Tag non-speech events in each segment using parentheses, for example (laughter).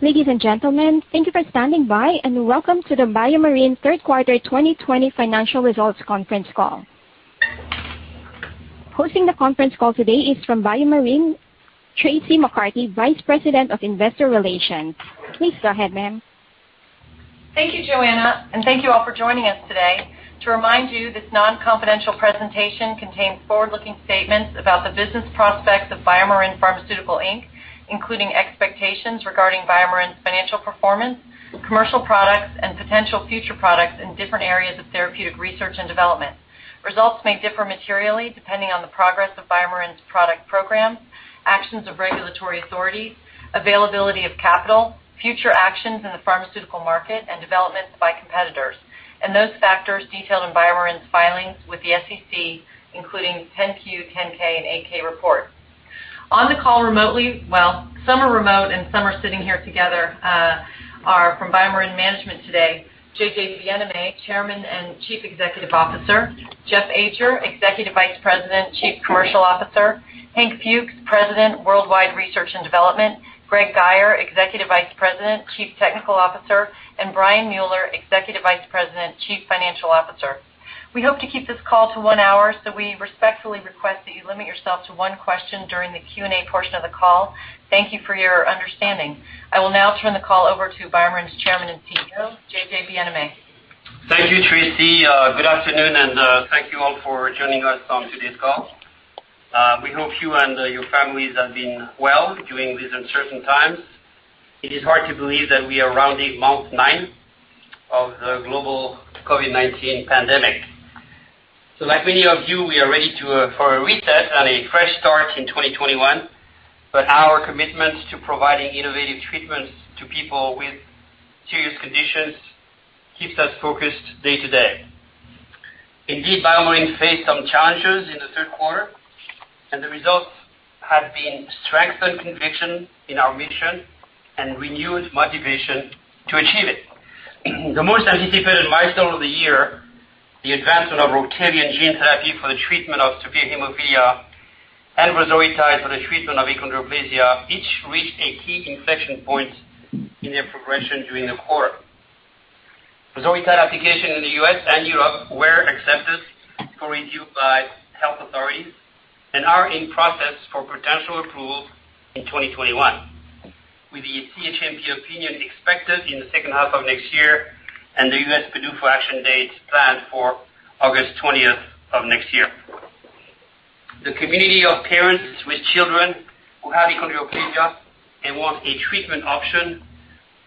Ladies and gentlemen, thank you for standing by, and welcome to the BioMarin Third Quarter 2020 Financial Results Conference Call. Hosting the conference call today is from BioMarin, Traci McCarty, Vice President of Investor Relations. Please go ahead, ma'am. Thank you, Joanna, and thank you all for joining us today. To remind you, this non-confidential presentation contains forward-looking statements about the business prospects of BioMarin Pharmaceutical Inc., including expectations regarding BioMarin's financial performance, commercial products, and potential future products in different areas of therapeutic research and development. Results may differ materially depending on the progress of BioMarin's product programs, actions of regulatory authorities, availability of capital, future actions in the pharmaceutical market, and developments by competitors, and those factors detailed in BioMarin's filings with the SEC, including 10-Q, 10-K, and 8-K reports. On the call remotely, well, some are remote and some are sitting here together, are from BioMarin Management today: J.J. Bienaimé, Chairman and Chief Executive Officer, Jeff Ajer, Executive Vice President, Chief Commercial Officer, Hank Fuchs, President, Worldwide Research and Development, Greg Guyer, Executive Vice President, Chief Technical Officer, and Brian Mueller, Executive Vice President, Chief Financial Officer. We hope to keep this call to one hour, so we respectfully request that you limit yourself to one question during the Q&A portion of the call. Thank you for your understanding. I will now turn the call over to BioMarin's Chairman and CEO, J.J. Bienaimé. Thank you, Traci. Good afternoon, and thank you all for joining us on today's call. We hope you and your families have been well during these uncertain times. It is hard to believe that we are rounding month nine of the global COVID-19 pandemic. So, like many of you, we are ready for a reset and a fresh start in 2021, but our commitment to providing innovative treatments to people with serious conditions keeps us focused day to day. Indeed, BioMarin faced some challenges in the third quarter, and the results have strengthened conviction in our mission and renewed motivation to achieve it. The most anticipated milestone of the year, the advancement of Roctavian gene therapy for the treatment of severe hemophilia A and vosoritide for the treatment of achondroplasia, each reached a key inflection point in their progression during the quarter. vosoritide application in the U.S. and Europe were accepted for review by health authorities and are in process for potential approval in 2021, with the CHMP opinion expected in the second half of next year and the U.S. PDUFA action date planned for August 20th of next year. The community of parents with children who have achondroplasia and want a treatment option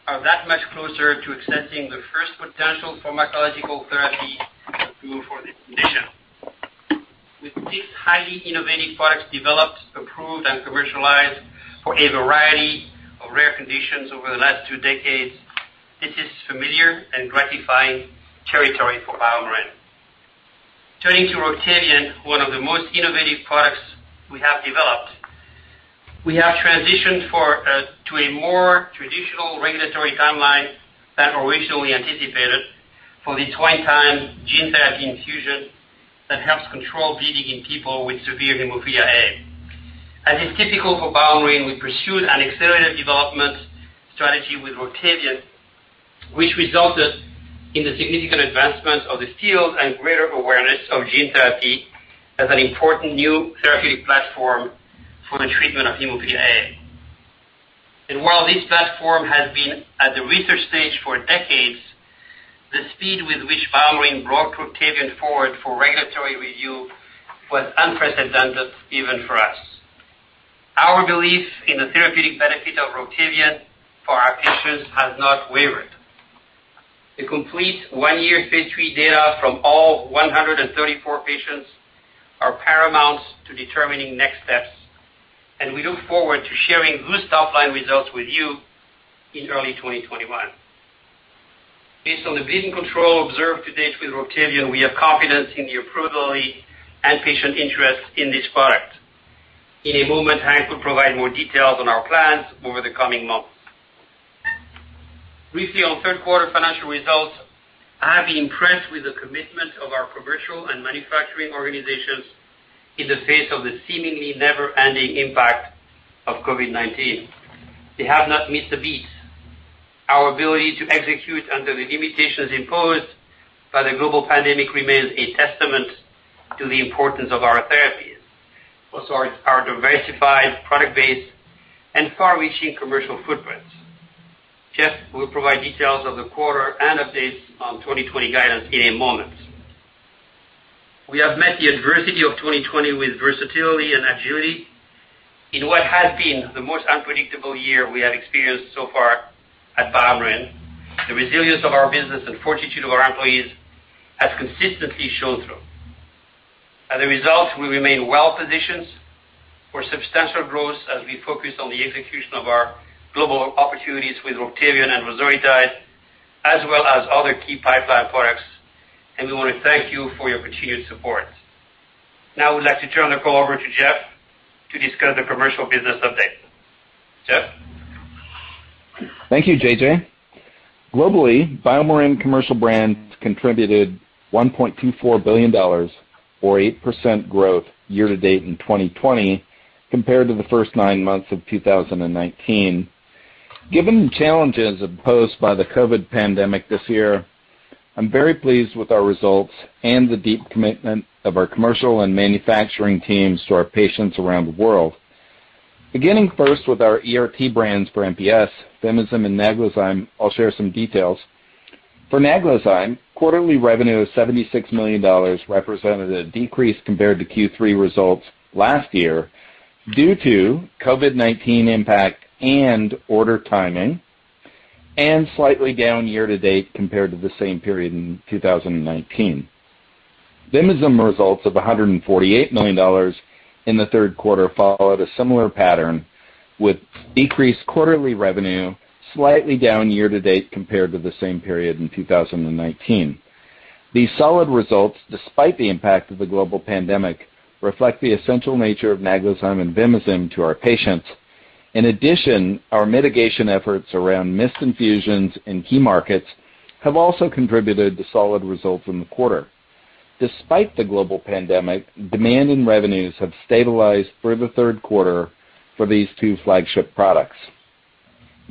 are that much closer to accessing the first potential pharmacological therapy to improve for this condition. With six highly innovative products developed, approved, and commercialized for a variety of rare conditions over the last two decades, this is familiar and gratifying territory for BioMarin. Turning to Roctavian, one of the most innovative products we have developed, we have transitioned to a more traditional regulatory timeline than originally anticipated for the one-time gene therapy infusion that helps control bleeding in people with severe hemophilia A. As is typical for BioMarin, we pursued an accelerated development strategy with Roctavian, which resulted in the significant advancement of the field and greater awareness of gene therapy as an important new therapeutic platform for the treatment of hemophilia A. While this platform has been at the research stage for decades, the speed with which BioMarin brought Roctavian forward for regulatory review was unprecedented even for us. Our belief in the therapeutic benefit of Roctavian for our patients has not wavered. The complete one-year Phase III data from all 134 patients are paramount to determining next steps, and we look forward to sharing good top-line results with you in early 2021. Based on the bleeding control observed to date with Roctavian, we have confidence in the approval and patient interest in this product. In a moment, Hank will provide more details on our plans over the coming months. Briefly, on third quarter financial results, I have been impressed with the commitment of our commercial and manufacturing organizations in the face of the seemingly never-ending impact of COVID-19. They have not missed a beat. Our ability to execute under the limitations imposed by the global pandemic remains a testament to the importance of our therapies, plus our diversified product base and far-reaching commercial footprints. Jeff will provide details of the quarter and updates on 2020 guidance in a moment. We have met the adversity of 2020 with versatility and agility. In what has been the most unpredictable year we have experienced so far at BioMarin, the resilience of our business and fortitude of our employees has consistently shone through. As a result, we remain well-positioned for substantial growth as we focus on the execution of our global opportunities with Roctavian and Vosoritide, as well as other key pipeline products, and we want to thank you for your continued support. Now, I would like to turn the call over to Jeff to discuss the commercial business update. Jeff? Thank you, J.J. Globally, BioMarin commercial brand contributed $1.24 billion, or 8% growth year to date in 2020, compared to the first nine months of 2019. Given the challenges posed by the COVID pandemic this year, I'm very pleased with our results and the deep commitment of our commercial and manufacturing teams to our patients around the world. Beginning first with our ERT brands for MPS, Vimizim and Naglazyme, I'll share some details. For Naglazyme, quarterly revenue of $76 million represented a decrease compared to Q3 results last year due to COVID-19 impact and order timing, and slightly down year to date compared to the same period in 2019. Vimizim results of $148 million in the third quarter followed a similar pattern, with decreased quarterly revenue, slightly down year to date compared to the same period in 2019. These solid results, despite the impact of the global pandemic, reflect the essential nature of Naglazyme and Vimizim to our patients. In addition, our mitigation efforts around missed infusions in key markets have also contributed to solid results in the quarter. Despite the global pandemic, demand and revenues have stabilized for the third quarter for these two flagship products.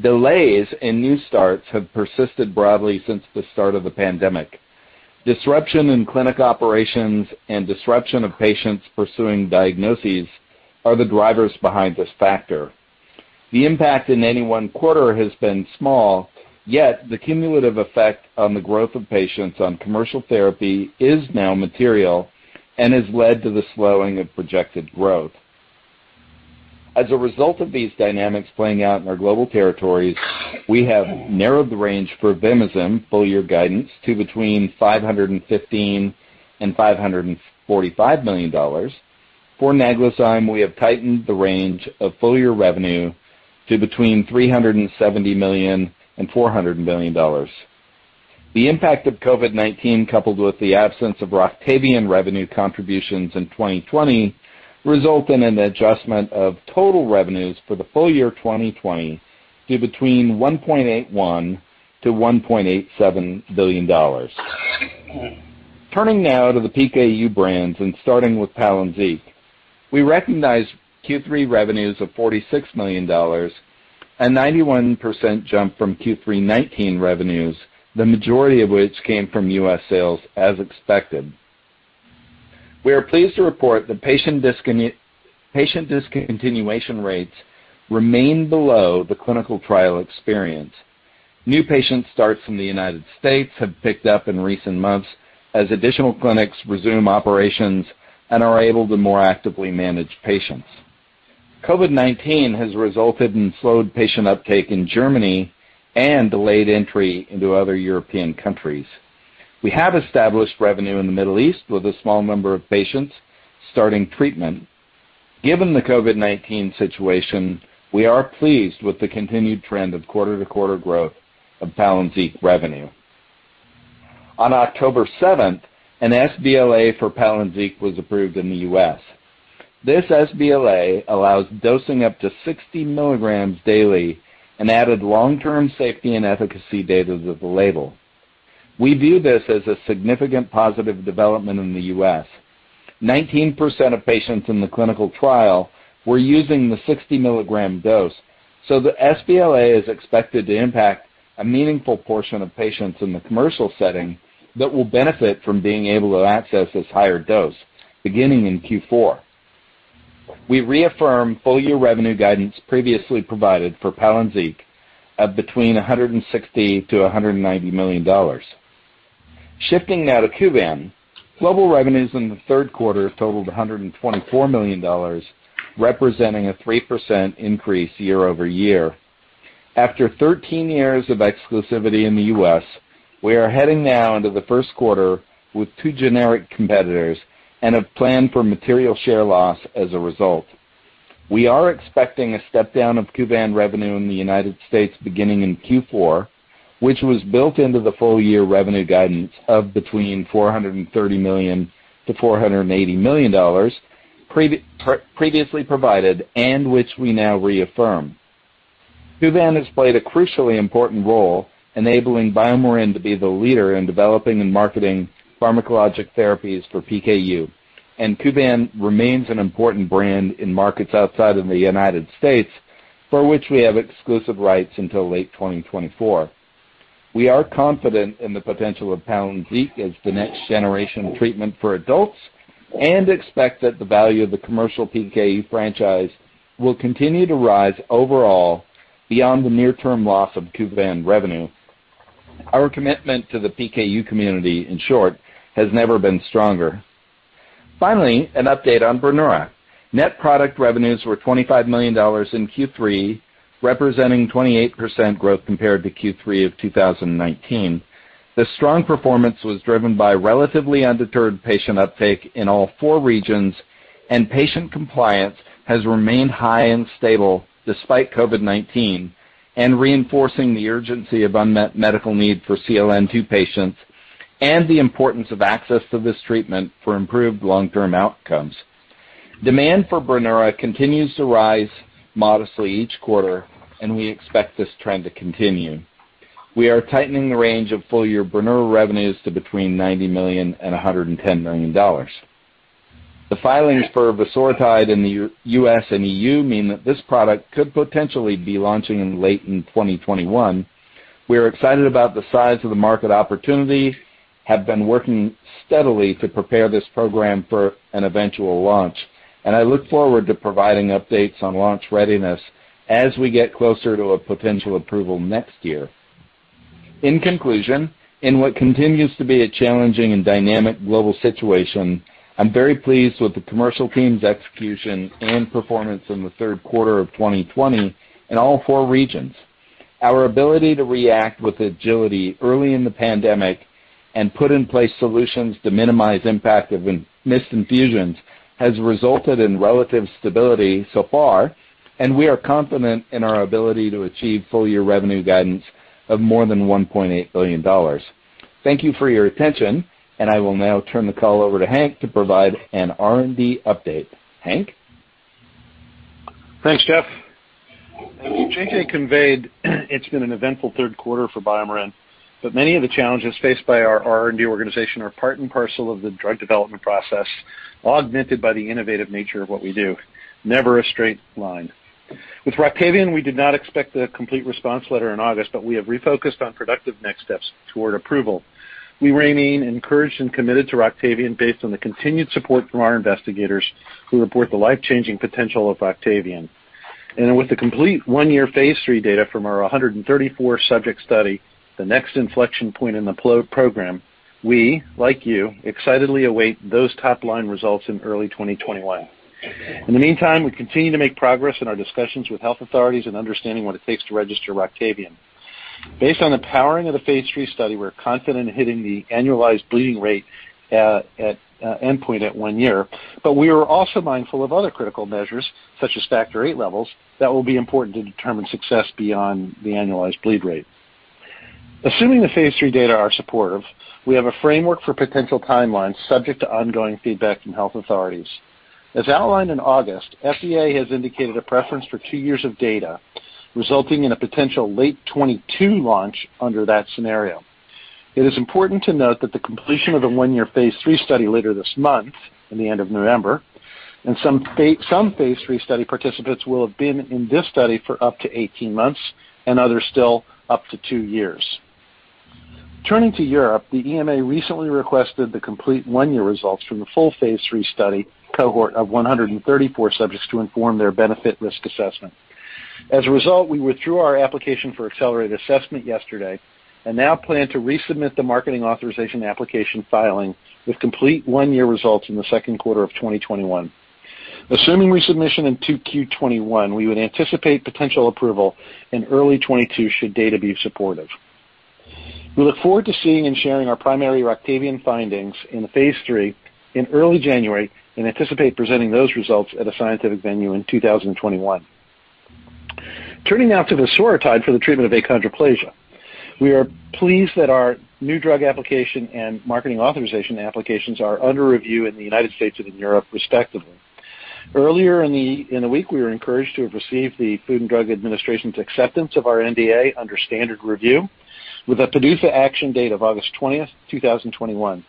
Delays and new starts have persisted broadly since the start of the pandemic. Disruption in clinic operations and disruption of patients pursuing diagnoses are the drivers behind this factor. The impact in any one quarter has been small, yet the cumulative effect on the growth of patients on commercial therapy is now material and has led to the slowing of projected growth. As a result of these dynamics playing out in our global territories, we have narrowed the range for Vimizim full-year guidance to between $515 million and $545 million. For Naglazyme, we have tightened the range of full-year revenue to between $370 million and $400 million. The impact of COVID-19, coupled with the absence of Roctavian revenue contributions in 2020, result in an adjustment of total revenues for the full year 2020 to between $1.81 to $1.87 billion. Turning now to the PKU brands and starting with Palynziq, we recognize Q3 revenues of $46 million, a 91% jump from Q3 2019 revenues, the majority of which came from U.S. sales, as expected. We are pleased to report that patient discontinuation rates remain below the clinical trial experience. New patient starts in the United States have picked up in recent months as additional clinics resume operations and are able to more actively manage patients. COVID-19 has resulted in slowed patient uptake in Germany and delayed entry into other European countries. We have established revenue in the Middle East with a small number of patients starting treatment. Given the COVID-19 situation, we are pleased with the continued trend of quarter-to-quarter growth of Palynziq revenue. On October 7th, an sBLA for Palynziq was approved in the U.S. This sBLA allows dosing up to 60 milligrams daily and added long-term safety and efficacy data to the label. We view this as a significant positive development in the U.S. 19% of patients in the clinical trial were using the 60-milligram dose, so the sBLA is expected to impact a meaningful portion of patients in the commercial setting that will benefit from being able to access this higher dose beginning in Q4. We reaffirm full-year revenue guidance previously provided for Palynziq of between $160-$190 million. Shifting now to Kuvan, global revenues in the third quarter totaled $124 million, representing a 3% increase year over year. After 13 years of exclusivity in the U.S., we are heading now into the first quarter with two generic competitors and have planned for material share loss as a result. We are expecting a step-down of Kuvan revenue in the United States beginning in Q4, which was built into the full-year revenue guidance of between $430 million-$480 million previously provided and which we now reaffirm. Kuvan has played a crucially important role, enabling BioMarin to be the leader in developing and marketing pharmacologic therapies for PKU, and Kuvan remains an important brand in markets outside of the United States for which we have exclusive rights until late 2024. We are confident in the potential of Palynziq as the next generation treatment for adults and expect that the value of the commercial PKU franchise will continue to rise overall beyond the near-term loss of Kuvan revenue. Our commitment to the PKU community, in short, has never been stronger. Finally, an update on Brineura. Net product revenues were $25 million in Q3, representing 28% growth compared to Q3 of 2019. The strong performance was driven by relatively undeterred patient uptake in all four regions, and patient compliance has remained high and stable despite COVID-19 and reinforcing the urgency of unmet medical need for CLN2 patients and the importance of access to this treatment for improved long-term outcomes. Demand for Brineura continues to rise modestly each quarter, and we expect this trend to continue. We are tightening the range of full-year Brineura revenues to between $90 million and $110 million. The filings for vosoritide in the U.S. and EU mean that this product could potentially be launching in late 2021. We are excited about the size of the market opportunity, have been working steadily to prepare this program for an eventual launch, and I look forward to providing updates on launch readiness as we get closer to a potential approval next year. In conclusion, in what continues to be a challenging and dynamic global situation, I'm very pleased with the commercial team's execution and performance in the third quarter of 2020 in all four regions. Our ability to react with agility early in the pandemic and put in place solutions to minimize impact of missed infusions has resulted in relative stability so far, and we are confident in our ability to achieve full-year revenue guidance of more than $1.8 billion. Thank you for your attention, and I will now turn the call over to Hank to provide an R&D update. Hank? Thanks, Jeff. Thank you, J.J. It's been an eventful third quarter for BioMarin, but many of the challenges faced by our R&D organization are part and parcel of the drug development process, augmented by the innovative nature of what we do. Never a straight line. With Roctavian, we did not expect the Complete Response Letter in August, but we have refocused on productive next steps toward approval. We remain encouraged and committed to Roctavian based on the continued support from our investigators who report the life-changing potential of Roctavian, and with the complete one-year Phase III data from our 134-subject study, the next inflection point in the program, we, like you, excitedly await those top-line results in early 2021. In the meantime, we continue to make progress in our discussions with health authorities and understanding what it takes to register Roctavian. Based on the powering of the Phase III study, we're confident in hitting the annualized bleeding rate endpoint at one year, but we are also mindful of other critical measures, such as Factor VIII levels, that will be important to determine success beyond the annualized bleeding rate. Assuming the Phase III data are supportive, we have a framework for potential timelines subject to ongoing feedback from health authorities. As outlined in August, FDA has indicated a preference for two years of data, resulting in a potential late 2022 launch under that scenario. It is important to note that the completion of the one-year Phase III study later this month, at the end of November, and some Phase III study participants will have been in this study for up to 18 months and others still up to two years. Turning to Europe, the EMA recently requested the complete one-year results from the full Phase III study cohort of 134 subjects to inform their benefit risk assessment. As a result, we withdrew our application for accelerated assessment yesterday and now plan to resubmit the marketing authorization application filing with complete one-year results in the second quarter of 2021. Assuming resubmission in Q2 2021, we would anticipate potential approval in early 2022 should data be supportive. We look forward to seeing and sharing our primary Roctavian findings in Phase III in early January and anticipate presenting those results at a scientific venue in 2021. Turning now to vosoritide for the treatment of achondroplasia. We are pleased that our new drug application and marketing authorization applications are under review in the United States and in Europe, respectively. Earlier in the week, we were encouraged to have received the Food and Drug Administration's acceptance of our NDA under standard review with a PDUFA action date of August 20th, 2021.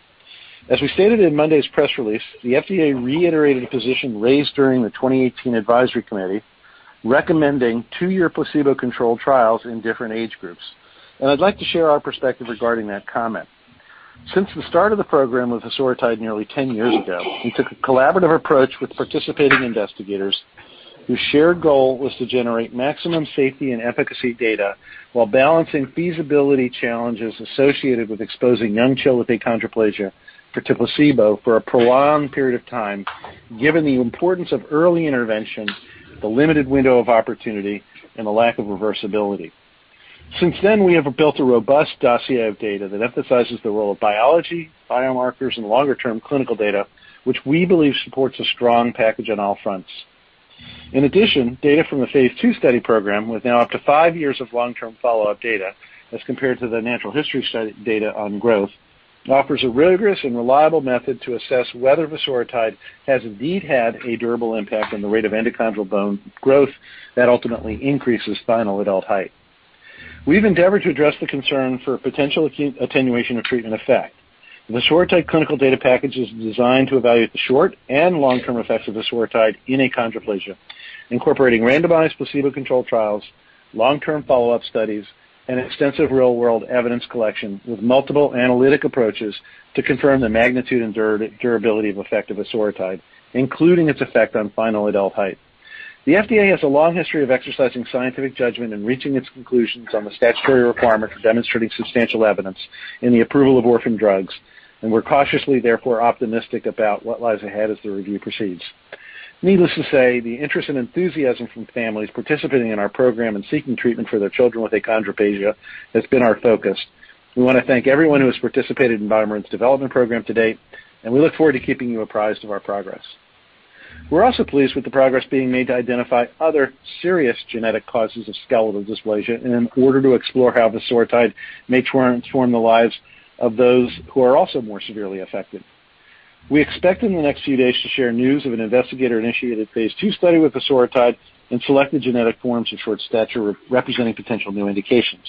As we stated in Monday's press release, the FDA reiterated a position raised during the 2018 advisory committee recommending two-year placebo-controlled trials in different age groups, and I'd like to share our perspective regarding that comment. Since the start of the program with vosoritide nearly 10 years ago, we took a collaborative approach with participating investigators whose shared goal was to generate maximum safety and efficacy data while balancing feasibility challenges associated with exposing young children with achondroplasia to placebo for a prolonged period of time, given the importance of early intervention, the limited window of opportunity, and the lack of reversibility. Since then, we have built a robust dossier of data that emphasizes the role of biology, biomarkers, and longer-term clinical data, which we believe supports a strong package on all fronts. In addition, data from the Phase II study program, with now up to five years of long-term follow-up data as compared to the natural history study data on growth, offers a rigorous and reliable method to assess whether vosoritide has indeed had a durable impact on the rate of endochondral bone growth that ultimately increases final adult height. We've endeavored to address the concern for potential attenuation of treatment effect. The vosoritide clinical data package is designed to evaluate the short and long-term effects of vosoritide in achondroplasia, incorporating randomized placebo-controlled trials, long-term follow-up studies, and extensive real-world evidence collection with multiple analytic approaches to confirm the magnitude and durability of effect of vosoritide, including its effect on final adult height. The FDA has a long history of exercising scientific judgment and reaching its conclusions on the statutory requirement for demonstrating substantial evidence in the approval of orphan drugs, and we're cautiously, therefore, optimistic about what lies ahead as the review proceeds. Needless to say, the interest and enthusiasm from families participating in our program and seeking treatment for their children with achondroplasia has been our focus. We want to thank everyone who has participated in BioMarin's development program to date, and we look forward to keeping you apprised of our progress. We're also pleased with the progress being made to identify other serious genetic causes of skeletal dysplasia in order to explore how vosoritide may transform the lives of those who are also more severely affected. We expect in the next few days to share news of an investigator-initiated Phase II study with vosoritide and selected genetic forms of short stature representing potential new indications.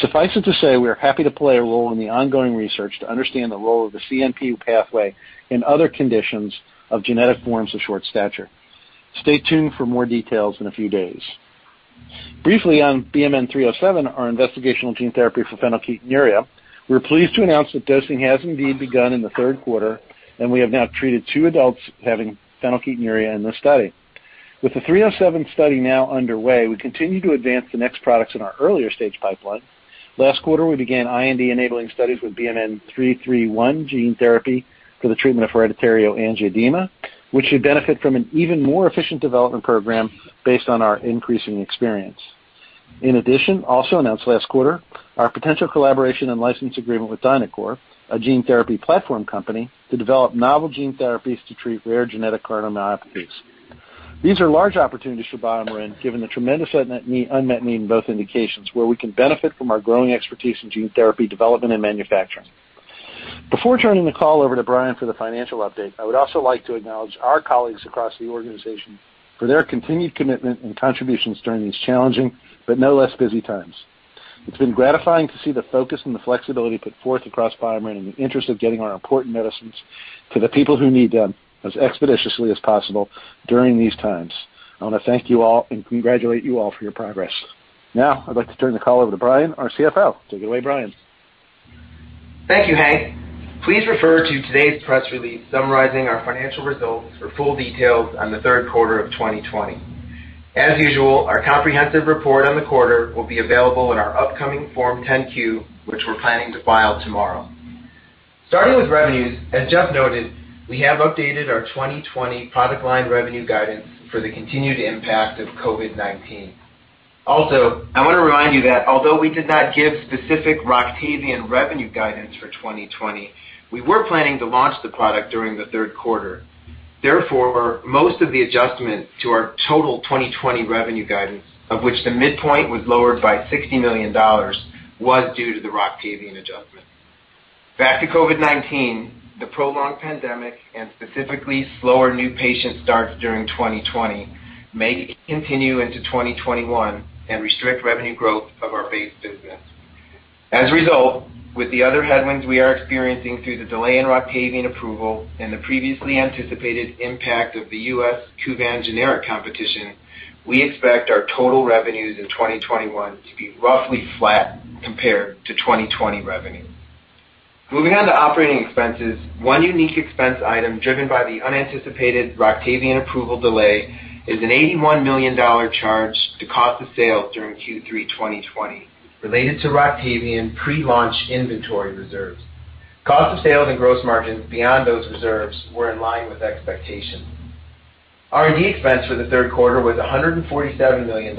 Suffice it to say, we are happy to play a role in the ongoing research to understand the role of the CNP pathway in other conditions of genetic forms of short stature. Stay tuned for more details in a few days. Briefly, on BMN 307, our investigational gene therapy for phenylketonuria, we're pleased to announce that dosing has indeed begun in the third quarter, and we have now treated two adults having phenylketonuria in this study. With the 307 study now underway, we continue to advance the next products in our earlier stage pipeline. Last quarter, we began IND-enabling studies with BMN 331 gene therapy for the treatment of hereditary angioedema, which should benefit from an even more efficient development program based on our increasing experience. In addition, also announced last quarter, our potential collaboration and license agreement with DiNAQOR, a gene therapy platform company, to develop novel gene therapies to treat rare genetic cardiomyopathies. These are large opportunities for BioMarin, given the tremendous unmet need in both indications, where we can benefit from our growing expertise in gene therapy development and manufacturing. Before turning the call over to Brian for the financial update, I would also like to acknowledge our colleagues across the organization for their continued commitment and contributions during these challenging, but no less busy times. It's been gratifying to see the focus and the flexibility put forth across BioMarin in the interest of getting our important medicines to the people who need them as expeditiously as possible during these times. I want to thank you all and congratulate you all for your progress. Now, I'd like to turn the call over to Brian, our CFO. Take it away, Brian. Thank you, Hank. Please refer to today's press release summarizing our financial results for full details on the third quarter of 2020. As usual, our comprehensive report on the quarter will be available in our upcoming Form 10-Q, which we're planning to file tomorrow. Starting with revenues, as Jeff noted, we have updated our 2020 product line revenue guidance for the continued impact of COVID-19. Also, I want to remind you that although we did not give specific Roctavian revenue guidance for 2020, we were planning to launch the product during the third quarter. Therefore, most of the adjustment to our total 2020 revenue guidance, of which the midpoint was lowered by $60 million, was due to the Roctavian adjustment. Back to COVID-19, the prolonged pandemic and specifically slower new patient starts during 2020 may continue into 2021 and restrict revenue growth of our base business. As a result, with the other headwinds we are experiencing through the delay in Roctavian approval and the previously anticipated impact of the U.S. Kuvan generic competition, we expect our total revenues in 2021 to be roughly flat compared to 2020 revenue. Moving on to operating expenses, one unique expense item driven by the unanticipated Roctavian approval delay is an $81 million charge to cost of sales during Q3 2020 related to Roctavian pre-launch inventory reserves. Cost of sales and gross margins beyond those reserves were in line with expectations. R&D expense for the third quarter was $147 million,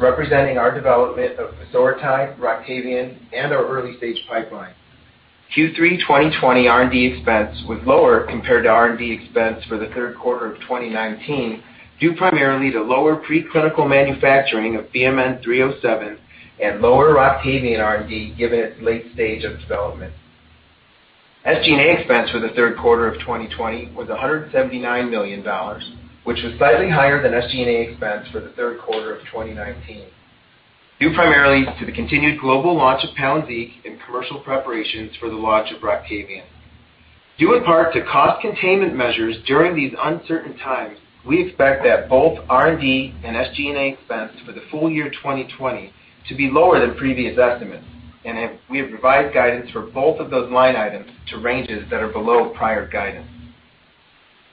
representing our development of vosoritide, Roctavian, and our early stage pipeline. Q3 2020 R&D expense was lower compared to R&D expense for the third quarter of 2019 due primarily to lower preclinical manufacturing of BMN 307 and lower Roctavian R&D given its late stage of development. SG&A expense for the third quarter of 2020 was $179 million, which was slightly higher than SG&A expense for the third quarter of 2019, due primarily to the continued global launch of Palynziq and commercial preparations for the launch of Roctavian. Due in part to cost containment measures during these uncertain times, we expect that both R&D and SG&A expense for the full year 2020 to be lower than previous estimates, and we have revised guidance for both of those line items to ranges that are below prior guidance.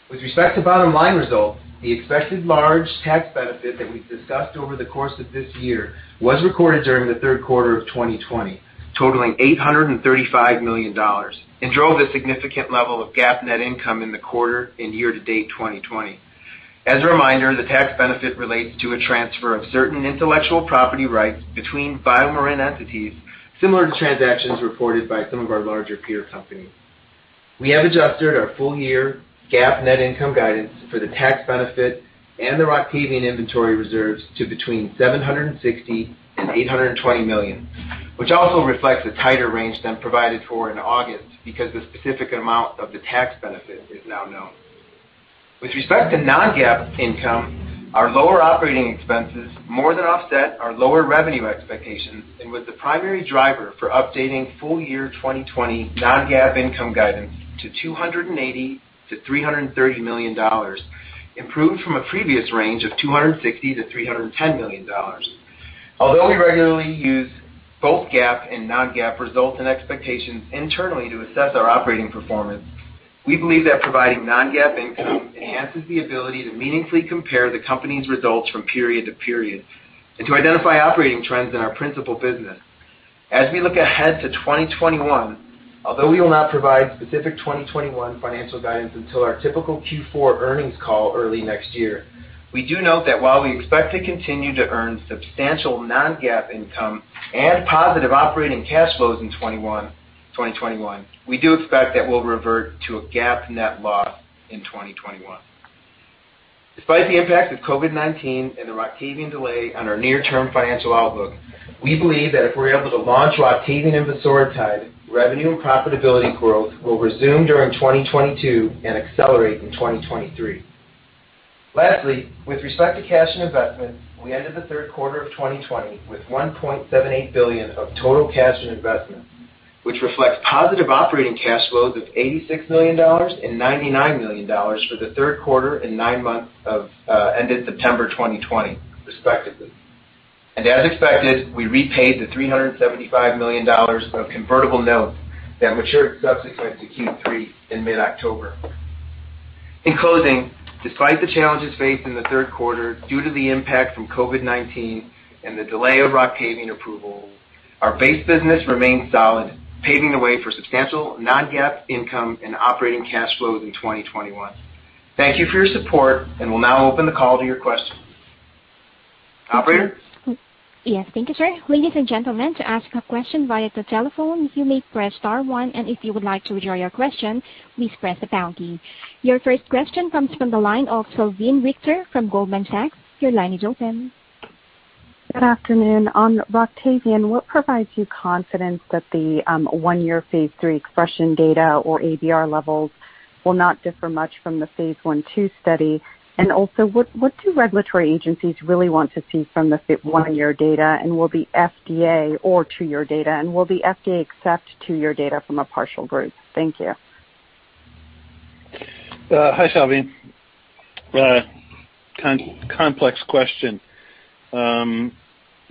With respect to bottom-line results, the expected large tax benefit that we've discussed over the course of this year was recorded during the third quarter of 2020, totaling $835 million, and drove a significant level of GAAP net income in the quarter and year-to-date 2020. As a reminder, the tax benefit relates to a transfer of certain intellectual property rights between BioMarin entities, similar to transactions reported by some of our larger peer companies. We have adjusted our full-year GAAP net income guidance for the tax benefit and the Roctavian inventory reserves to between $760-$820 million, which also reflects a tighter range than provided for in August because the specific amount of the tax benefit is now known. With respect to non-GAAP income, our lower operating expenses more than offset our lower revenue expectations and were the primary driver for updating full-year 2020 non-GAAP income guidance to $280-$330 million, improved from a previous range of $260-$310 million. Although we regularly use both GAAP and non-GAAP results and expectations internally to assess our operating performance, we believe that providing non-GAAP income enhances the ability to meaningfully compare the company's results from period to period and to identify operating trends in our principal business. As we look ahead to 2021, although we will not provide specific 2021 financial guidance until our typical Q4 earnings call early next year, we do note that while we expect to continue to earn substantial non-GAAP income and positive operating cash flows in 2021, we do expect that we'll revert to a GAAP net loss in 2021. Despite the impact of COVID-19 and the Roctavian delay on our near-term financial outlook, we believe that if we're able to launch Roctavian and vosoritide, revenue and profitability growth will resume during 2022 and accelerate in 2023. Lastly, with respect to cash and investment, we ended the third quarter of 2020 with $1.78 billion of total cash and investment, which reflects positive operating cash flows of $86 million and $99 million for the third quarter and nine months ended September 2020, respectively. And as expected, we repaid the $375 million of convertible notes that matured subsequent to Q3 in mid-October. In closing, despite the challenges faced in the third quarter due to the impact from COVID-19 and the delay of Roctavian approval, our base business remained solid, paving the way for substantial non-GAAP income and operating cash flows in 2021. Thank you for your support, and we'll now open the call to your questions. Operator? Yes, thank you, sir. Ladies and gentlemen, to ask a question via the telephone, you may press star one, and if you would like to withdraw your question, please press the pound key. Your first question comes from the line of Salveen Richter from Goldman Sachs. Your line is open. Good afternoon. On Roctavian, what provides you confidence that the one-year Phase III expression data or ABR levels will not differ much from the Phase I/II study? And also, what do regulatory agencies really want to see from the one-year data and will the FDA or two-year data? And will the FDA accept two-year data from a partial group? Thank you. Hi, Salveen. Complex question.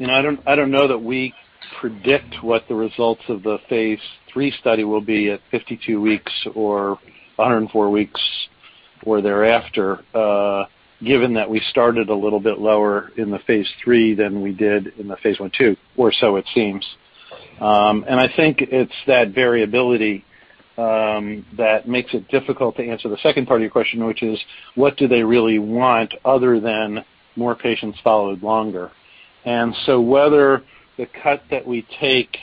I don't know that we predict what the results of the Phase III study will be at 52 weeks or 104 weeks or thereafter, given that we started a little bit lower in the Phase III than we did in the Phase I and II or so, it seems. And I think it's that variability that makes it difficult to answer the second part of your question, which is, what do they really want other than more patients followed longer? And so whether the cut that we take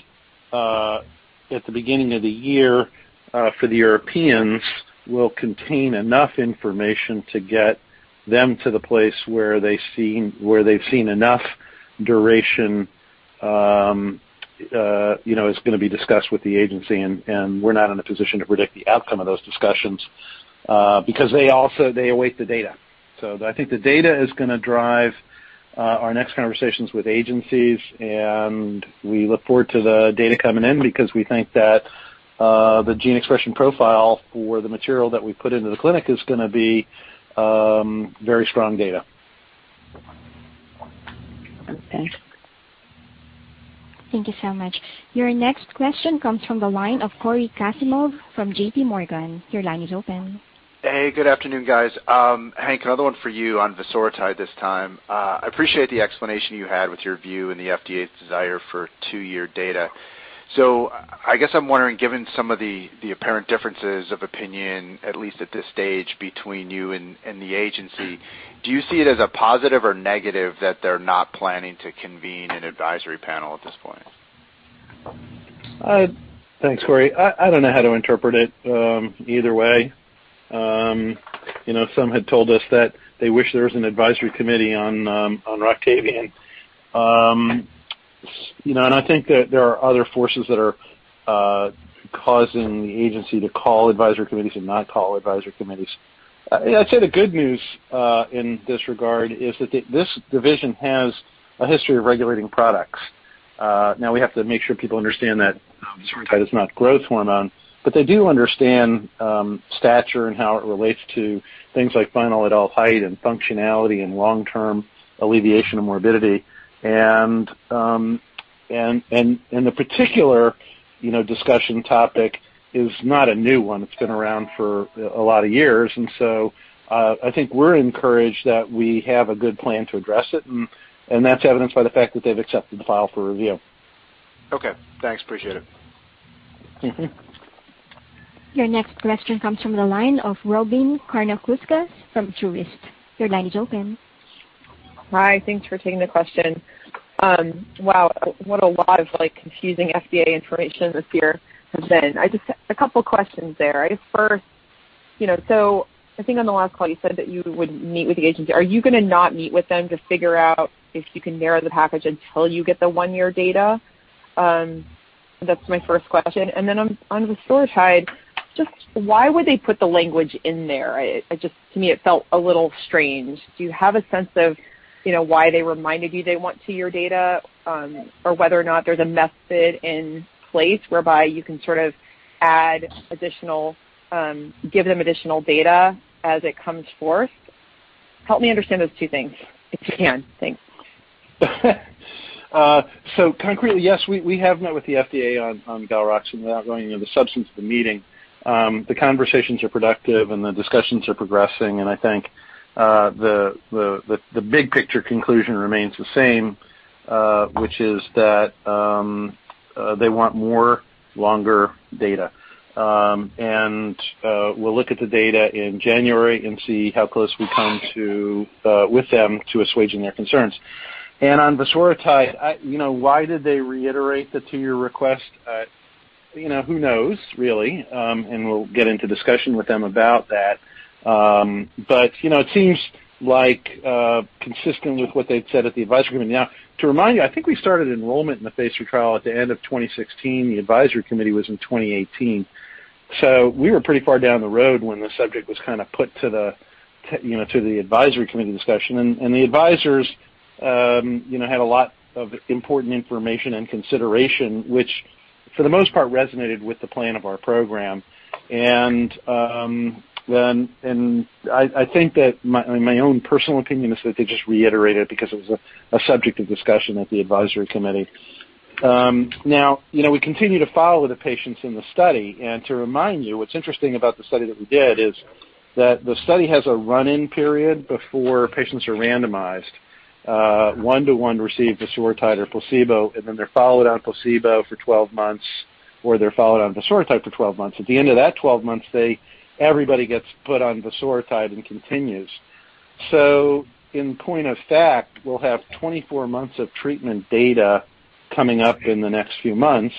at the beginning of the year for the Europeans will contain enough information to get them to the place where they've seen enough duration is going to be discussed with the agency, and we're not in a position to predict the outcome of those discussions because they await the data. So I think the data is going to drive our next conversations with agencies, and we look forward to the data coming in because we think that the gene expression profile for the material that we put into the clinic is going to be very strong data. Okay. Thank you so much. Your next question comes from the line of Cory Kasimov from JPMorgan. Your line is open. Hey, good afternoon, guys. Hank, another one for you on vosoritide this time. I appreciate the explanation you had with your view and the FDA's desire for two-year data. So I guess I'm wondering, given some of the apparent differences of opinion, at least at this stage, between you and the agency, do you see it as a positive or negative that they're not planning to convene an advisory panel at this point? Thanks, Cory. I don't know how to interpret it either way. Some had told us that they wish there was an advisory committee on Roctavian. And I think that there are other forces that are causing the agency to call advisory committees and not call advisory committees. I'd say the good news in this regard is that this division has a history of regulating products. Now, we have to make sure people understand that vosoritide is not growth hormone, but they do understand stature and how it relates to things like final adult height and functionality and long-term alleviation of morbidity. And the particular discussion topic is not a new one. It's been around for a lot of years. And so I think we're encouraged that we have a good plan to address it, and that's evidenced by the fact that they've accepted the file for review. Okay. Thanks. Appreciate it. Your next question comes from the line of Robyn Karnauskas from Truist. Your line is open. Hi. Thanks for taking the question. Wow, what a lot of confusing FDA information this year has been. A couple of questions there. First, so I think on the last call, you said that you would meet with the agency. Are you going to not meet with them to figure out if you can narrow the package until you get the one-year data? That's my first question. And then on vosoritide, just why would they put the language in there? To me, it felt a little strange. Do you have a sense of why they reminded you they want two-year data or whether or not there's a method in place whereby you can sort of add additional, give them additional data as it comes forth? Help me understand those two things if you can. Thanks. So concretely, yes, we have met with the FDA on Roctavian without going into the substance of the meeting. The conversations are productive, and the discussions are progressing. And I think the big picture conclusion remains the same, which is that they want more longer data. And we'll look at the data in January and see how close we come with them to assuaging their concerns. And on Roctavian, why did they reiterate the two-year request? Who knows, really, and we'll get into discussion with them about that. But it seems like consistent with what they'd said at the advisory committee. Now, to remind you, I think we started enrollment in the Phase III trial at the end of 2016. The advisory committee was in 2018. So we were pretty far down the road when the subject was kind of put to the advisory committee discussion. The advisors had a lot of important information and consideration, which for the most part resonated with the plan of our program. I think that my own personal opinion is that they just reiterated it because it was a subject of discussion at the advisory committee. Now, we continue to follow the patients in the study. To remind you, what's interesting about the study that we did is that the study has a run-in period before patients are randomized, one-to-one receive vosoritide or placebo, and then they're followed on placebo for 12 months, or they're followed on vosoritide for 12 months. At the end of that 12 months, everybody gets put on vosoritide and continues. So in point of fact, we'll have 24 months of treatment data coming up in the next few months,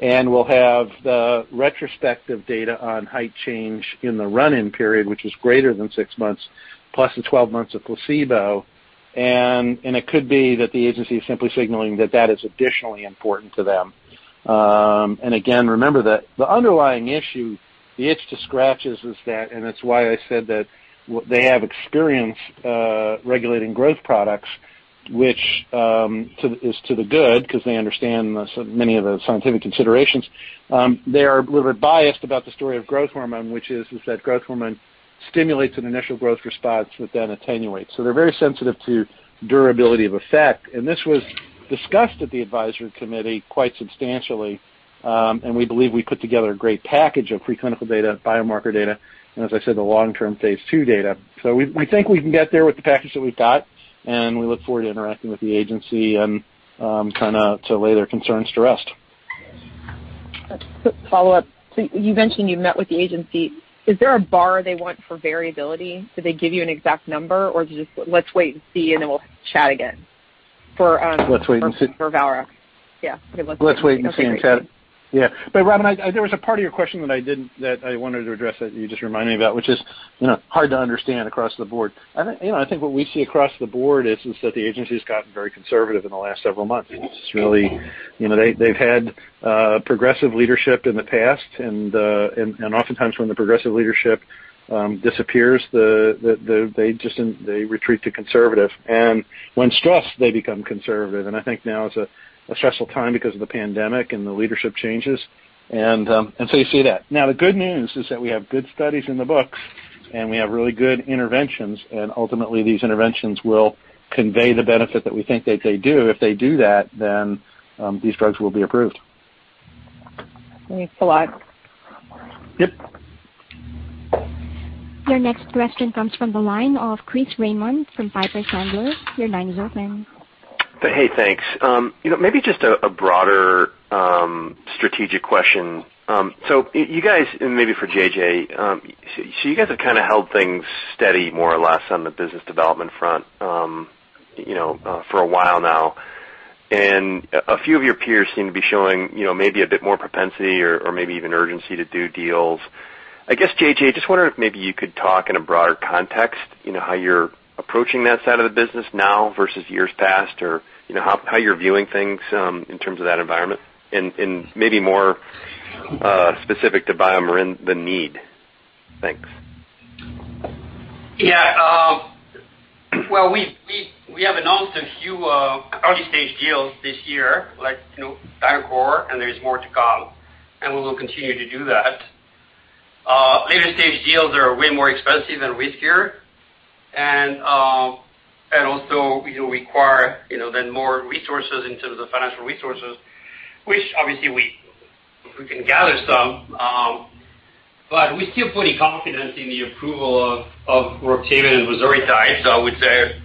and we'll have the retrospective data on height change in the run-in period, which is greater than six months, plus the 12 months of placebo. And it could be that the agency is simply signaling that that is additionally important to them. And again, remember that the underlying issue, the itch to scratch is that, and it's why I said that they have experience regulating growth products, which is to the good because they understand many of the scientific considerations. They are a little bit biased about the story of growth hormone, which is that growth hormone stimulates an initial growth response that then attenuates. So they're very sensitive to durability of effect. This was discussed at the advisory committee quite substantially, and we believe we put together a great package of preclinical data, biomarker data, and, as I said, the long-term Phase II data. We think we can get there with the package that we've got, and we look forward to interacting with the agency and kind of to lay their concerns to rest. Follow-up. So you mentioned you met with the agency. Is there a bar they want for variability? Did they give you an exact number, or is it just, "Let's wait and see, and then we'll chat again" for Roctavian? Let's wait and see. Yeah. Okay. Let's wait and see and chat. Let's wait and see and chat. Yeah. But Robin, there was a part of your question that I wanted to address that you just reminded me about, which is hard to understand across the board. I think what we see across the board is that the agency has gotten very conservative in the last several months. It's really they've had progressive leadership in the past, and oftentimes when the progressive leadership disappears, they retreat to conservative. And when stressed, they become conservative. I think now is a stressful time because of the pandemic and the leadership changes. And so you see that. Now, the good news is that we have good studies in the books, and we have really good interventions. And ultimately, these interventions will convey the benefit that we think that they do. If they do that, then these drugs will be approved. Thanks a lot. Yep. Your next question comes from the line of Chris Raymond from Piper Sandler. Your line is open. Hey, thanks. Maybe just a broader strategic question. So you guys, and maybe for J.J., so you guys have kind of held things steady more or less on the business development front for a while now. And a few of your peers seem to be showing maybe a bit more propensity or maybe even urgency to do deals. I guess, J.J., I just wonder if maybe you could talk in a broader context how you're approaching that side of the business now versus years past or how you're viewing things in terms of that environment and maybe more specific to BioMarin the need. Thanks. Yeah. Well, we have announced a few early-stage deals this year, like DiNAQOR, and there is more to come. And we will continue to do that. Later-stage deals are way more expensive and riskier and also require then more resources in terms of financial resources, which obviously we can gather some. But we're still pretty confident in the approval of Roctavian and vosoritide. So I would say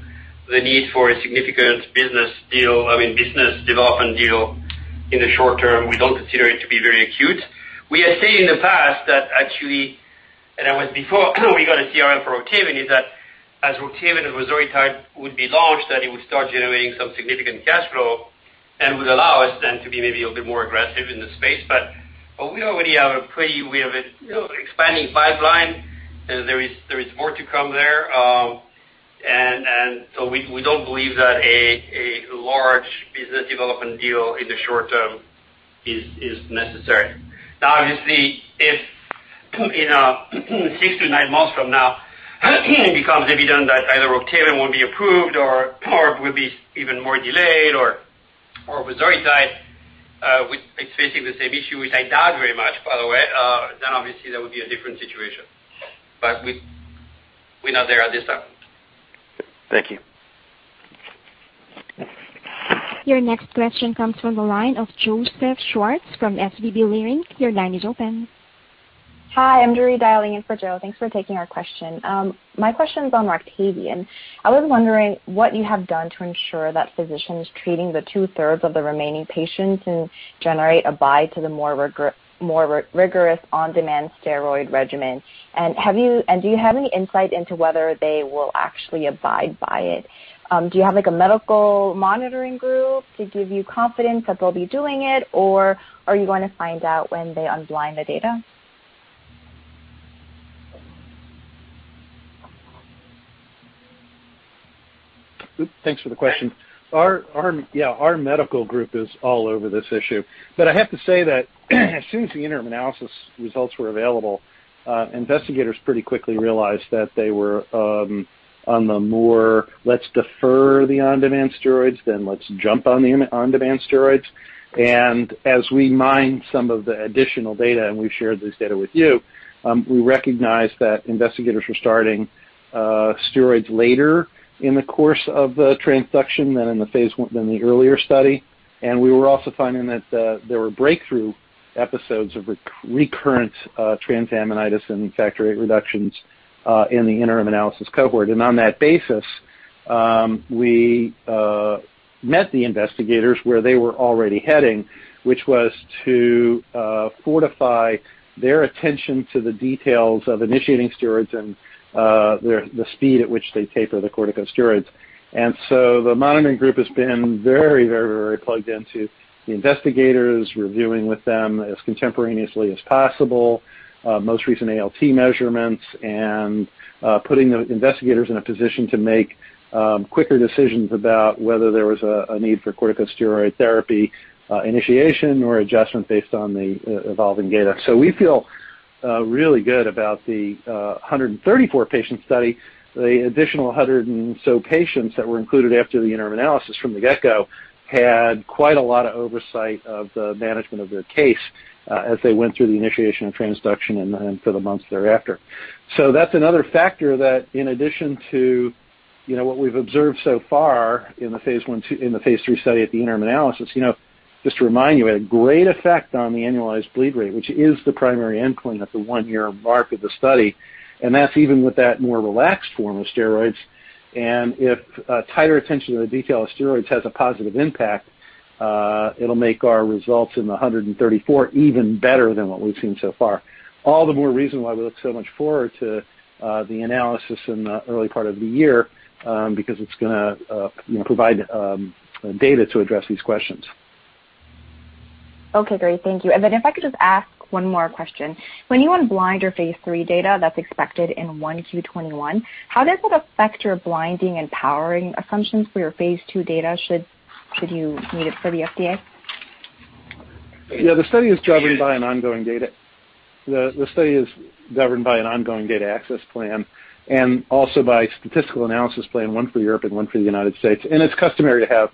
the need for a significant business deal, I mean, business development deal in the short term, we don't consider it to be very acute. We had said in the past that actually, and it was before we got a CRL for Roctavian, is that as Roctavian and vosoritide would be launched, that it would start generating some significant cash flow and would allow us then to be maybe a little bit more aggressive in the space. But we already have an expanding pipeline, and there is more to come there. And so we don't believe that a large business development deal in the short term is necessary. Now, obviously, if in six to nine months from now it becomes evident that either Roctavian won't be approved or will be even more delayed or vosoritide, it's facing the same issue, which I doubt very much, by the way. Then obviously that would be a different situation. But we're not there at this time. Thank you. Your next question comes from the line of Joseph Schwartz from SVB Leerink. Your line is open. Hi. I'm Joori dialing in for Joe. Thanks for taking our question. My question's on Roctavian. I was wondering what you have done to ensure that physicians treating the two-thirds of the remaining patients generate buy-in to the more rigorous on-demand steroid regimen. And do you have any insight into whether they will actually abide by it? Do you have a medical monitoring group to give you confidence that they'll be doing it, or are you going to find out when they unblind the data? Thanks for the question. Yeah, our medical group is all over this issue, but I have to say that as soon as the interim analysis results were available, investigators pretty quickly realized that they were on the more, "Let's defer the on-demand steroids, then let's jump on the on-demand steroids", and as we mined some of the additional data, and we've shared this data with you, we recognized that investigators were starting steroids later in the course of the transduction than in the earlier study, and we were also finding that there were breakthrough episodes of recurrent transaminitis and factor VIII reductions in the interim analysis cohort, and on that basis, we met the investigators where they were already heading, which was to fortify their attention to the details of initiating steroids and the speed at which they taper the corticosteroids. And so the monitoring group has been very, very, very plugged into the investigators, reviewing with them as contemporaneously as possible most recent ALT measurements, and putting the investigators in a position to make quicker decisions about whether there was a need for corticosteroid therapy initiation or adjustment based on the evolving data. So we feel really good about the 134-patient study. The additional 100 or so patients that were included after the interim analysis from the get-go had quite a lot of oversight of the management of their case as they went through the initiation of transduction and for the months thereafter. So that's another factor that, in addition to what we've observed so far in the Phase III study at the interim analysis, just to remind you, it had a great effect on the annualized bleed rate, which is the primary endpoint at the one-year mark of the study. That's even with that more relaxed form of steroids. If tighter attention to the detail of steroids has a positive impact, it'll make our results in the 134 even better than what we've seen so far. All the more reason why we look so much forward to the analysis in the early part of the year because it's going to provide data to address these questions. Okay. Great. Thank you. And then if I could just ask one more question. When you unblind your Phase III data that's expected in 1Q21, how does that affect your blinding and powering assumptions for your Phase II data should you need it for the FDA? Yeah. The study is governed by an ongoing data access plan and also by statistical analysis plan, one for Europe and one for the United States. And it's customary to have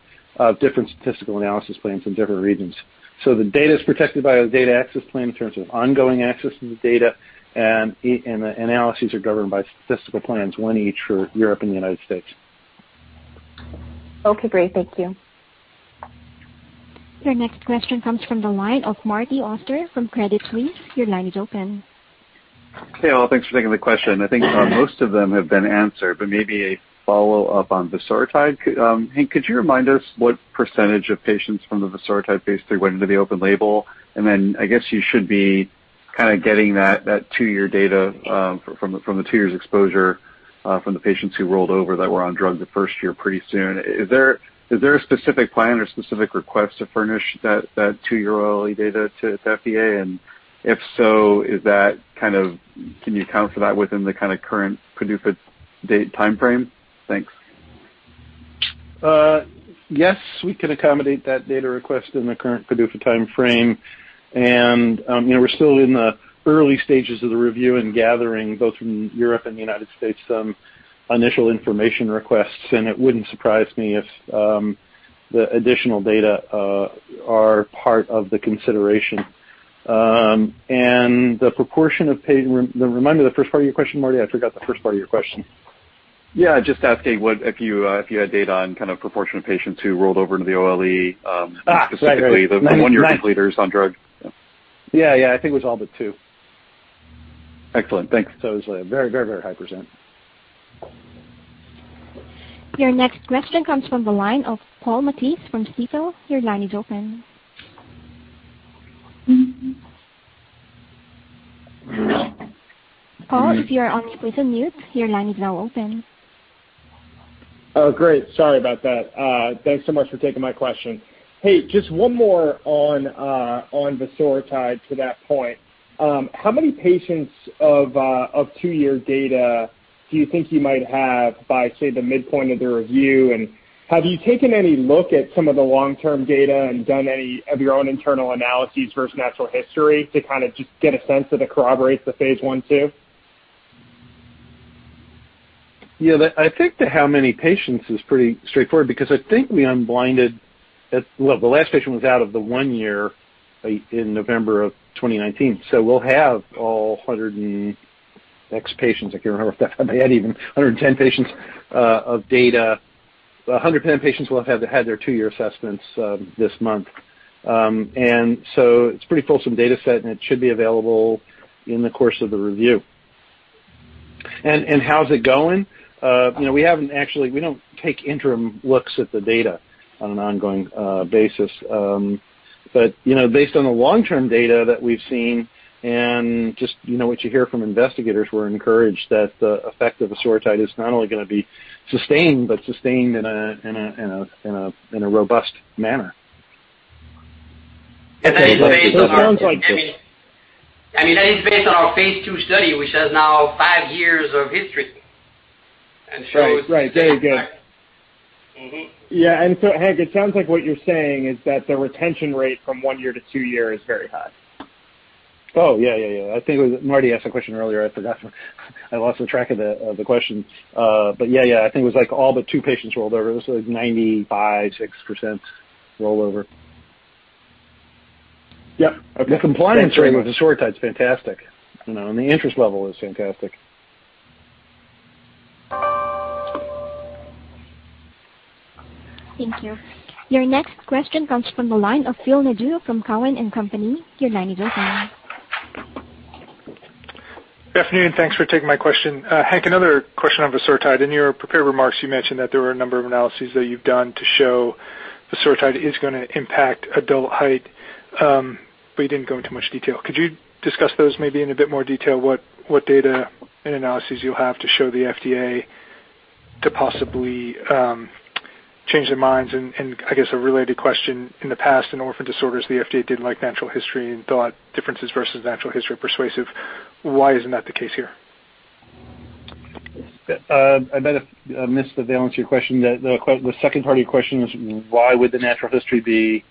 different statistical analysis plans in different regions. So the data is protected by a data access plan in terms of ongoing access to the data, and the analyses are governed by statistical plans, one each for Europe and the United States. Okay. Great. Thank you. Your next question comes from the line of Martin Auster from Credit Suisse. Your line is open. Hey, all. Thanks for taking the question. I think most of them have been answered, but maybe a follow-up on vosoritide. Hey, could you remind us what percentage of patients from the vosoritide Phase III went into the open label? And then I guess you should be kind of getting that two-year data from the two years' exposure from the patients who rolled over that were on drugs the first year pretty soon. Is there a specific plan or specific request to furnish that two-year early data to FDA? And if so, is that kind of can you account for that within the kind of current PDUFA date timeframe? Thanks. Yes. We can accommodate that data request in the current PDUFA timeframe. And we're still in the early stages of the review and gathering, both from Europe and the United States, some initial information requests. And it wouldn't surprise me if the additional data are part of the consideration. And the proportion of them. Remind me of the first part of your question, Marty. I forgot the first part of your question. Yeah. Just asking if you had data on kind of proportion of patients who rolled over into the OLE, specifically the one-year completers on drug? Yeah. Yeah. I think it was all but two. Excellent. Thanks. It was a very, very, very high percent. Your next question comes from the line of Paul Matteis from Stifel. Your line is open. Paul, if you are on mute, your line is now open. Oh, great. Sorry about that. Thanks so much for taking my question. Hey, just one more on vosoritide to that point. How many patients of two-year data do you think you might have by, say, the midpoint of the review? And have you taken any look at some of the long-term data and done any of your own internal analyses versus natural history to kind of just get a sense of that corroborates the Phase I, II? Yeah. I think the how many patients is pretty straightforward because I think we unblinded well, the last patient was out of the one year in November of 2019. So we'll have all 100 and x patients. I can't remember if I had even 110 patients of data. 110 patients will have had their two-year assessments this month. And so it's a pretty fulsome data set, and it should be available in the course of the review. And how's it going? We don't take interim looks at the data on an ongoing basis. But based on the long-term data that we've seen and just what you hear from investigators, we're encouraged that the effect of vosoritide is not only going to be sustained but sustained in a robust manner. That is based on our. It sounds like this. I mean, that is based on our Phase II study, which has now five years of history, and so. Right. Right. Very good. Yeah, and so Hank, it sounds like what you're saying is that the retention rate from one year to two-year is very high. Oh, yeah, yeah, yeah. I think Marty asked a question earlier. I forgot. I lost track of the question. But yeah, yeah. I think it was like all but two patients rolled over. It was like 95.6% rollover. Yep. The compliance rate with vosoritide is fantastic, and the interest level is fantastic. Thank you. Your next question comes from the line of Phil Nadeau from Cowen and Company. Your line is open. Good afternoon. Thanks for taking my question. Hank, another question on vosoritide. In your prepared remarks, you mentioned that there were a number of analyses that you've done to show vosoritide is going to impact adult height, but you didn't go into much detail. Could you discuss those maybe in a bit more detail, what data and analyses you'll have to show the FDA to possibly change their minds? And I guess a related question. In the past, in orphan disorders, the FDA didn't like natural history and thought differences versus natural history are persuasive. Why isn't that the case here? I might have missed the full answer to your question. The second part of your question is, why would the natural history be,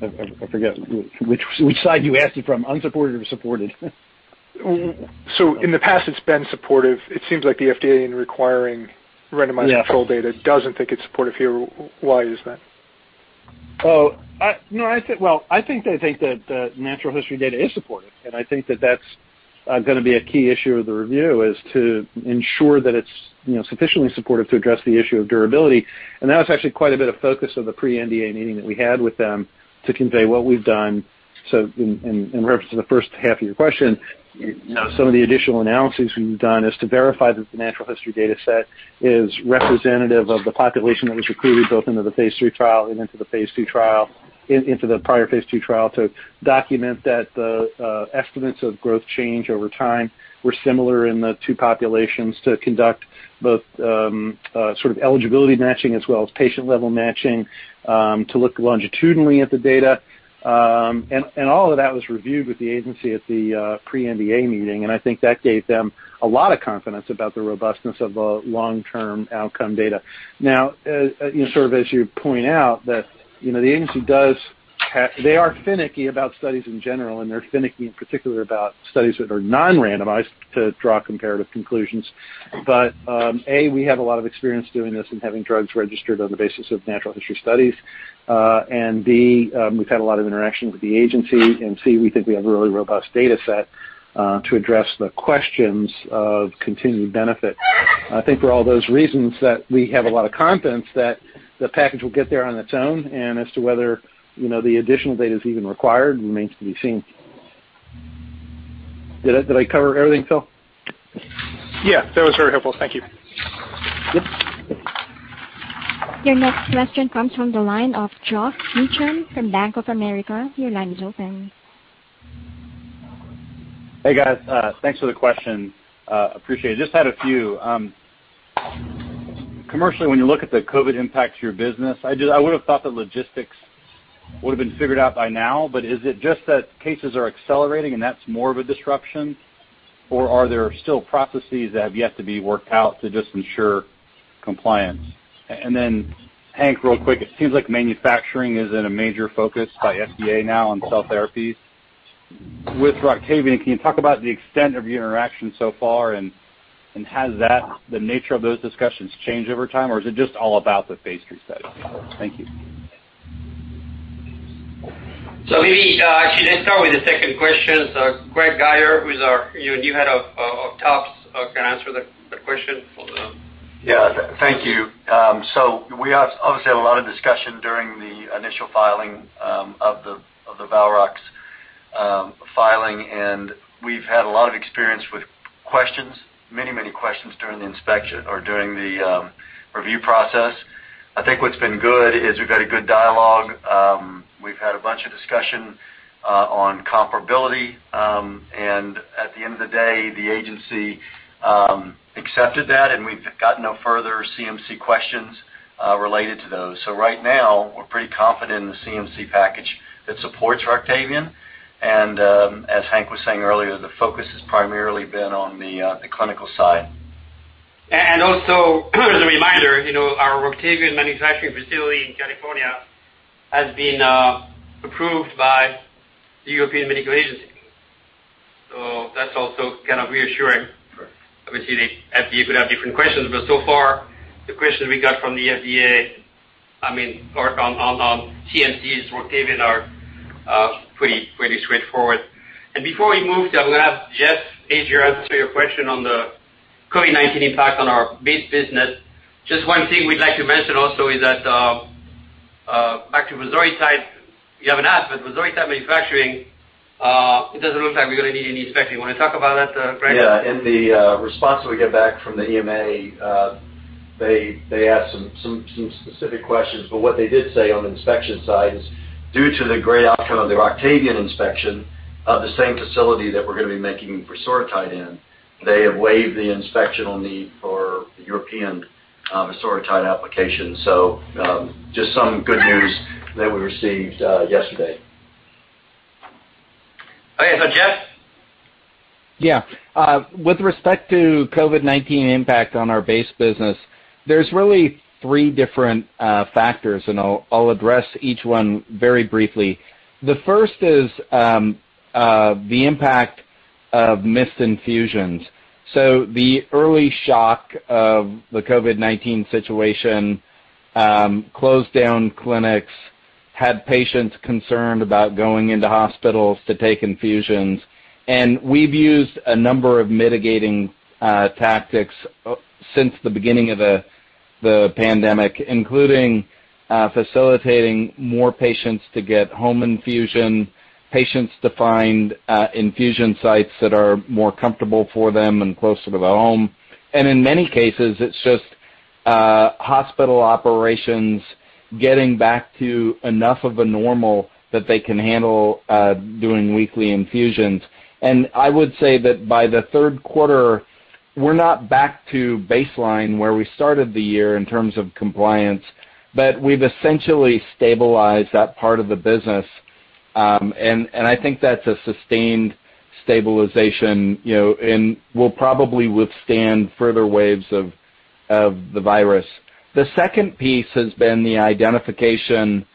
I forget which side you asked it from, unsupported or supported? So in the past, it's been supportive. It seems like the FDA, in requiring randomized control data, doesn't think it's supportive here. Why is that? Oh, no. Well, I think they think that the natural history data is supportive. And I think that that's going to be a key issue of the review, is to ensure that it's sufficiently supportive to address the issue of durability. And that was actually quite a bit of focus of the pre-NDA meeting that we had with them to convey what we've done. So in reference to the first half of your question, some of the additional analyses we've done is to verify that the natural history data set is representative of the population that was recruited both into the Phase III trial and into the Phase II trial, into the prior Phase II trial, to document that the estimates of growth change over time were similar in the two populations, to conduct both sort of eligibility matching as well as patient-level matching to look longitudinally at the data. All of that was reviewed with the agency at the pre-NDA meeting. I think that gave them a lot of confidence about the robustness of the long-term outcome data. Now, sort of as you point out, the agency does have. They are finicky about studies in general, and they're finicky in particular about studies that are non-randomized to draw comparative conclusions. A, we have a lot of experience doing this and having drugs registered on the basis of natural history studies. B, we've had a lot of interaction with the agency. C, we think we have a really robust data set to address the questions of continued benefit. I think for all those reasons that we have a lot of confidence that the package will get there on its own. As to whether the additional data is even required remains to be seen. Did I cover everything, Phil? Yeah. That was very helpful. Thank you. Yep. Your next question comes from the line of Geoff Meacham from Bank of America. Your line is open. Hey, guys. Thanks for the question. Appreciate it. Just had a few. Commercially, when you look at the COVID impact to your business, I would have thought that logistics would have been figured out by now. But is it just that cases are accelerating and that's more of a disruption, or are there still processes that have yet to be worked out to just ensure compliance? And then, Hank, real quick, it seems like manufacturing is in a major focus by FDA now on cell therapies. With Roctavian, can you talk about the extent of your interaction so far, and has the nature of those discussions changed over time, or is it just all about the Phase III study? Thank you. So maybe I should just start with the second question. So Greg Guyer, who's our new head of TOPS, can answer that question? Yeah. Thank you. So we obviously had a lot of discussion during the initial filing of the Valrox filing. And we've had a lot of experience with questions, many, many questions during the inspection or during the review process. I think what's been good is we've had a good dialogue. We've had a bunch of discussion on comparability. And at the end of the day, the agency accepted that, and we've gotten no further CMC questions related to those. So right now, we're pretty confident in the CMC package that supports Roctavian. And as Hank was saying earlier, the focus has primarily been on the clinical side. And also, as a reminder, our Roctavian manufacturing facility in California has been approved by the European Medicines Agency. So that's also kind of reassuring. Obviously, the FDA could have different questions, but so far, the questions we got from the FDA, I mean, on CMCs, Roctavian, are pretty straightforward. And before we move, I'm going to have Jeff Ajer answer your question on the COVID-19 impact on our base business. Just one thing we'd like to mention also is that back to vosoritide, you haven't asked, but vosoritide manufacturing, it doesn't look like we're going to need any inspection. You want to talk about that, Greg? Yeah. In the response that we get back from the EMA, they asked some specific questions. But what they did say on the inspection side is, due to the great outcome of the Roctavian inspection of the same facility that we're going to be making vosoritide in, they have waived the inspectional need for European vosoritide application. So just some good news that we received yesterday. Okay. So Jeff? Yeah. With respect to COVID-19 impact on our base business, there's really three different factors, and I'll address each one very briefly. The first is the impact of missed infusions. So the early shock of the COVID-19 situation closed down clinics, had patients concerned about going into hospitals to take infusions. And we've used a number of mitigating tactics since the beginning of the pandemic, including facilitating more patients to get home infusion, patients to find infusion sites that are more comfortable for them and closer to the home. And in many cases, it's just hospital operations getting back to enough of a normal that they can handle doing weekly infusions. And I would say that by the third quarter, we're not back to baseline where we started the year in terms of compliance, but we've essentially stabilized that part of the business. I think that's a sustained stabilization, and we'll probably withstand further waves of the virus. The second piece has been the identification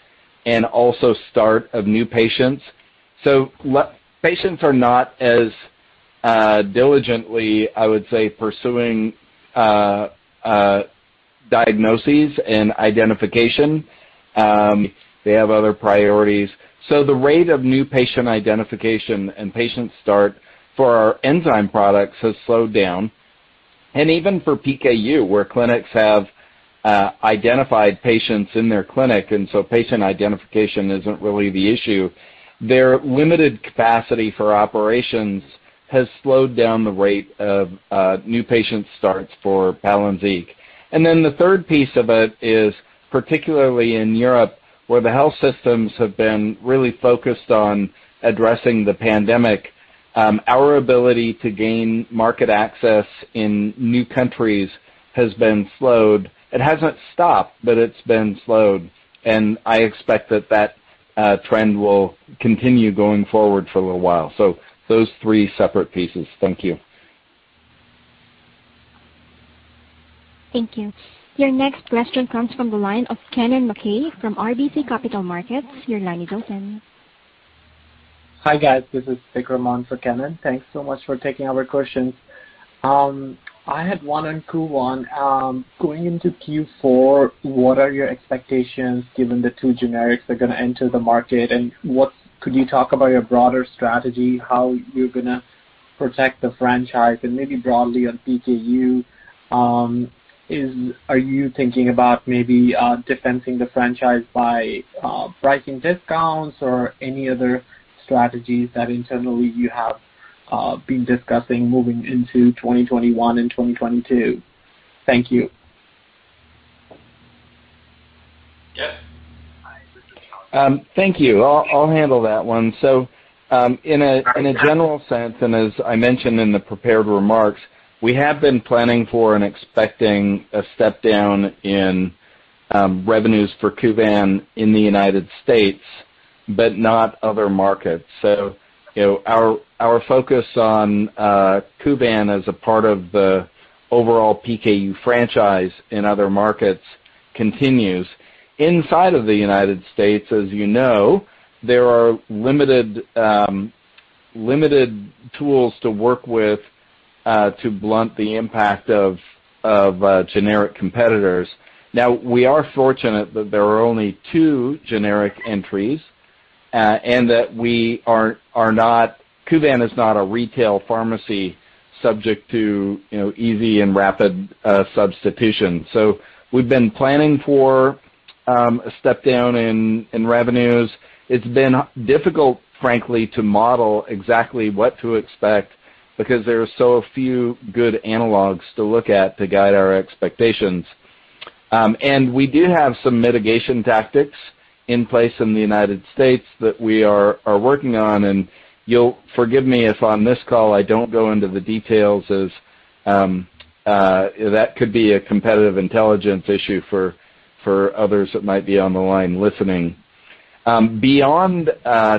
and also start of new patients. So patients are not as diligently, I would say, pursuing diagnoses and identification. They have other priorities. So the rate of new patient identification and patient start for our enzyme products has slowed down. And even for PKU, where clinics have identified patients in their clinic, and so patient identification isn't really the issue, their limited capacity for operations has slowed down the rate of new patient starts for Palynziq. And then the third piece of it is, particularly in Europe, where the health systems have been really focused on addressing the pandemic, our ability to gain market access in new countries has been slowed. It hasn't stopped, but it's been slowed. And I expect that that trend will continue going forward for a little while. So those three separate pieces. Thank you. Thank you. Your next question comes from the line of Kennen MacKay from RBC Capital Markets. Your line is open. Hi guys. This is Figar Mon for Kennen. Thanks so much for taking our questions. I had one on Kuvan. Going into Q4, what are your expectations given the two generics that are going to enter the market? And could you talk about your broader strategy, how you're going to protect the franchise? And maybe broadly on PKU, are you thinking about maybe defending the franchise by pricing discounts or any other strategies that internally you have been discussing moving into 2021 and 2022? Thank you. Jeff. Thank you. I'll handle that one. So in a general sense, and as I mentioned in the prepared remarks, we have been planning for and expecting a step down in revenues for Kuvan in the United States, but not other markets. So our focus on Kuvan as a part of the overall PKU franchise in other markets continues. Inside of the United States, as you know, there are limited tools to work with to blunt the impact of generic competitors. Now, we are fortunate that there are only two generic entries and that Kuvan is not a retail pharmacy subject to easy and rapid substitution. So we've been planning for a step down in revenues. It's been difficult, frankly, to model exactly what to expect because there are so few good analogs to look at to guide our expectations. We do have some mitigation tactics in place in the United States that we are working on. You'll forgive me if on this call I don't go into the details as that could be a competitive intelligence issue for others that might be on the line listening. Beyond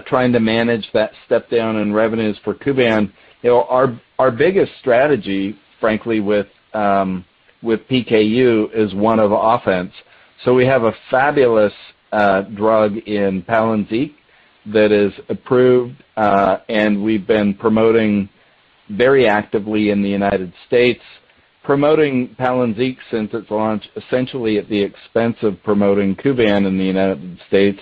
trying to manage that step down in revenues for Kuvan, our biggest strategy, frankly, with PKU is one of offense. We have a fabulous drug in Palynziq that is approved, and we've been promoting very actively in the United States, promoting Palynziq since its launch essentially at the expense of promoting Kuvan in the United States.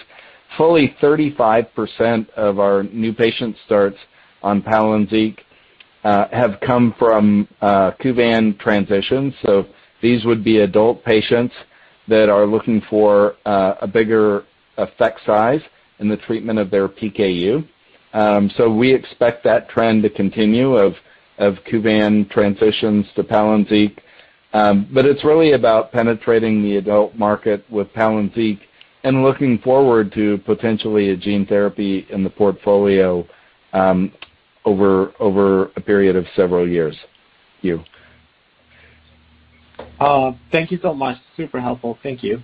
Fully 35% of our new patient starts on Palynziq have come from Kuvan transitions. These would be adult patients that are looking for a bigger effect size in the treatment of their PKU. So we expect that trend to continue of Kuvan transitions to Palynziq. But it's really about penetrating the adult market with Palynziq and looking forward to potentially a gene therapy in the portfolio over a period of several years. Thank you. Thank you so much. Super helpful. Thank you.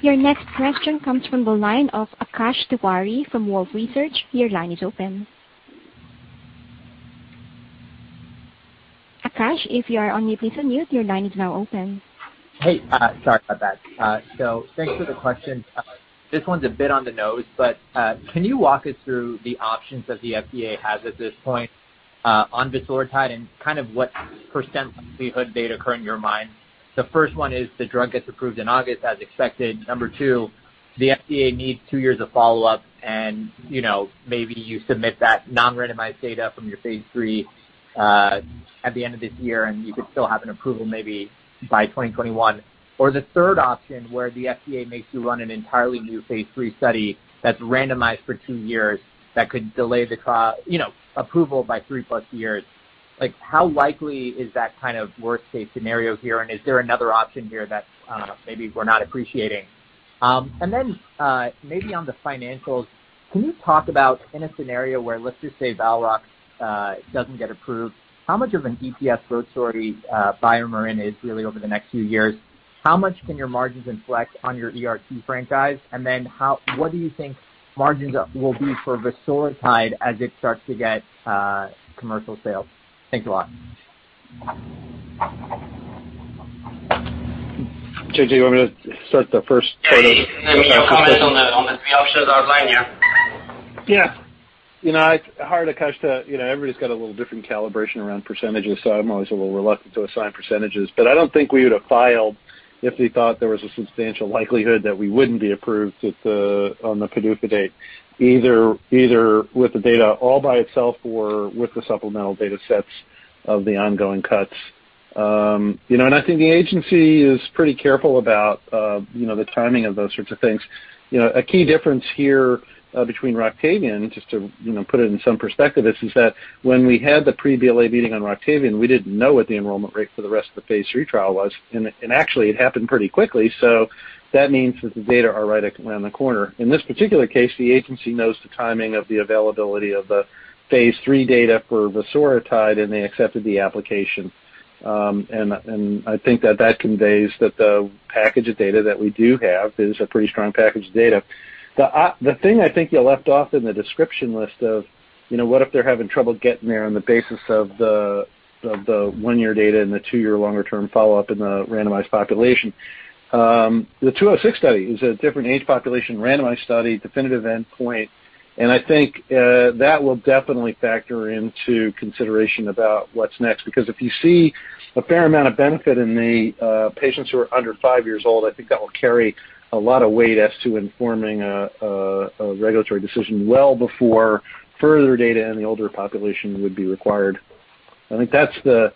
Your next question comes from the line of Akash Tewari from Wolfe Research. Your line is open. Akash, if you are on mute, please unmute. Your line is now open. Hey. Sorry about that. So thanks for the question. This one's a bit on the nose, but can you walk us through the options that the FDA has at this point on vosoritide and kind of what % likelihood they'd occur in your mind? The first one is the drug gets approved in August as expected. Number two, the FDA needs two years of follow-up, and maybe you submit that non-randomized data from your Phase III at the end of this year, and you could still have an approval maybe by 2021. Or the third option where the FDA makes you run an entirely new Phase III study that's randomized for two years that could delay the approval by three plus years. How likely is that kind of worst-case scenario here? And is there another option here that maybe we're not appreciating? Then maybe on the financials, can you talk about in a scenario where, let's just say, Valrox doesn't get approved, how much of an EPS growth story BioMarin is really over the next few years? How much can your margins inflect on your ERT franchise? And then what do you think margins will be for vosoritide as it starts to get commercial sales? Thanks a lot. J.J., do you want me to start the first part of? Hey, can you clarify on the three options outlined here? Yeah. It's hard to catch that everybody's got a little different calibration around percentages, so I'm always a little reluctant to assign percentages. But I don't think we would have filed if we thought there was a substantial likelihood that we wouldn't be approved on the PDUFA date, either with the data all by itself or with the supplemental data sets of the ongoing cohorts. And I think the agency is pretty careful about the timing of those sorts of things. A key difference here between Roctavian and just to put it in some perspective, this is that when we had the pre-BLA meeting on Roctavian, we didn't know what the enrollment rate for the rest of the Phase III trial was. And actually, it happened pretty quickly. So that means that the data are right around the corner. In this particular case, the agency knows the timing of the availability of the Phase III data for vosoritide, and they accepted the application. I think that that conveys that the package of data that we do have is a pretty strong package of data. The thing I think you left off in the description list of what if they're having trouble getting there on the basis of the one-year data and the two-year longer-term follow-up in the randomized population. The 206 study is a different age population randomized study, definitive endpoint. I think that will definitely factor into consideration about what's next. Because if you see a fair amount of benefit in the patients who are under five years old, I think that will carry a lot of weight as to informing a regulatory decision well before further data in the older population would be required. I think that's the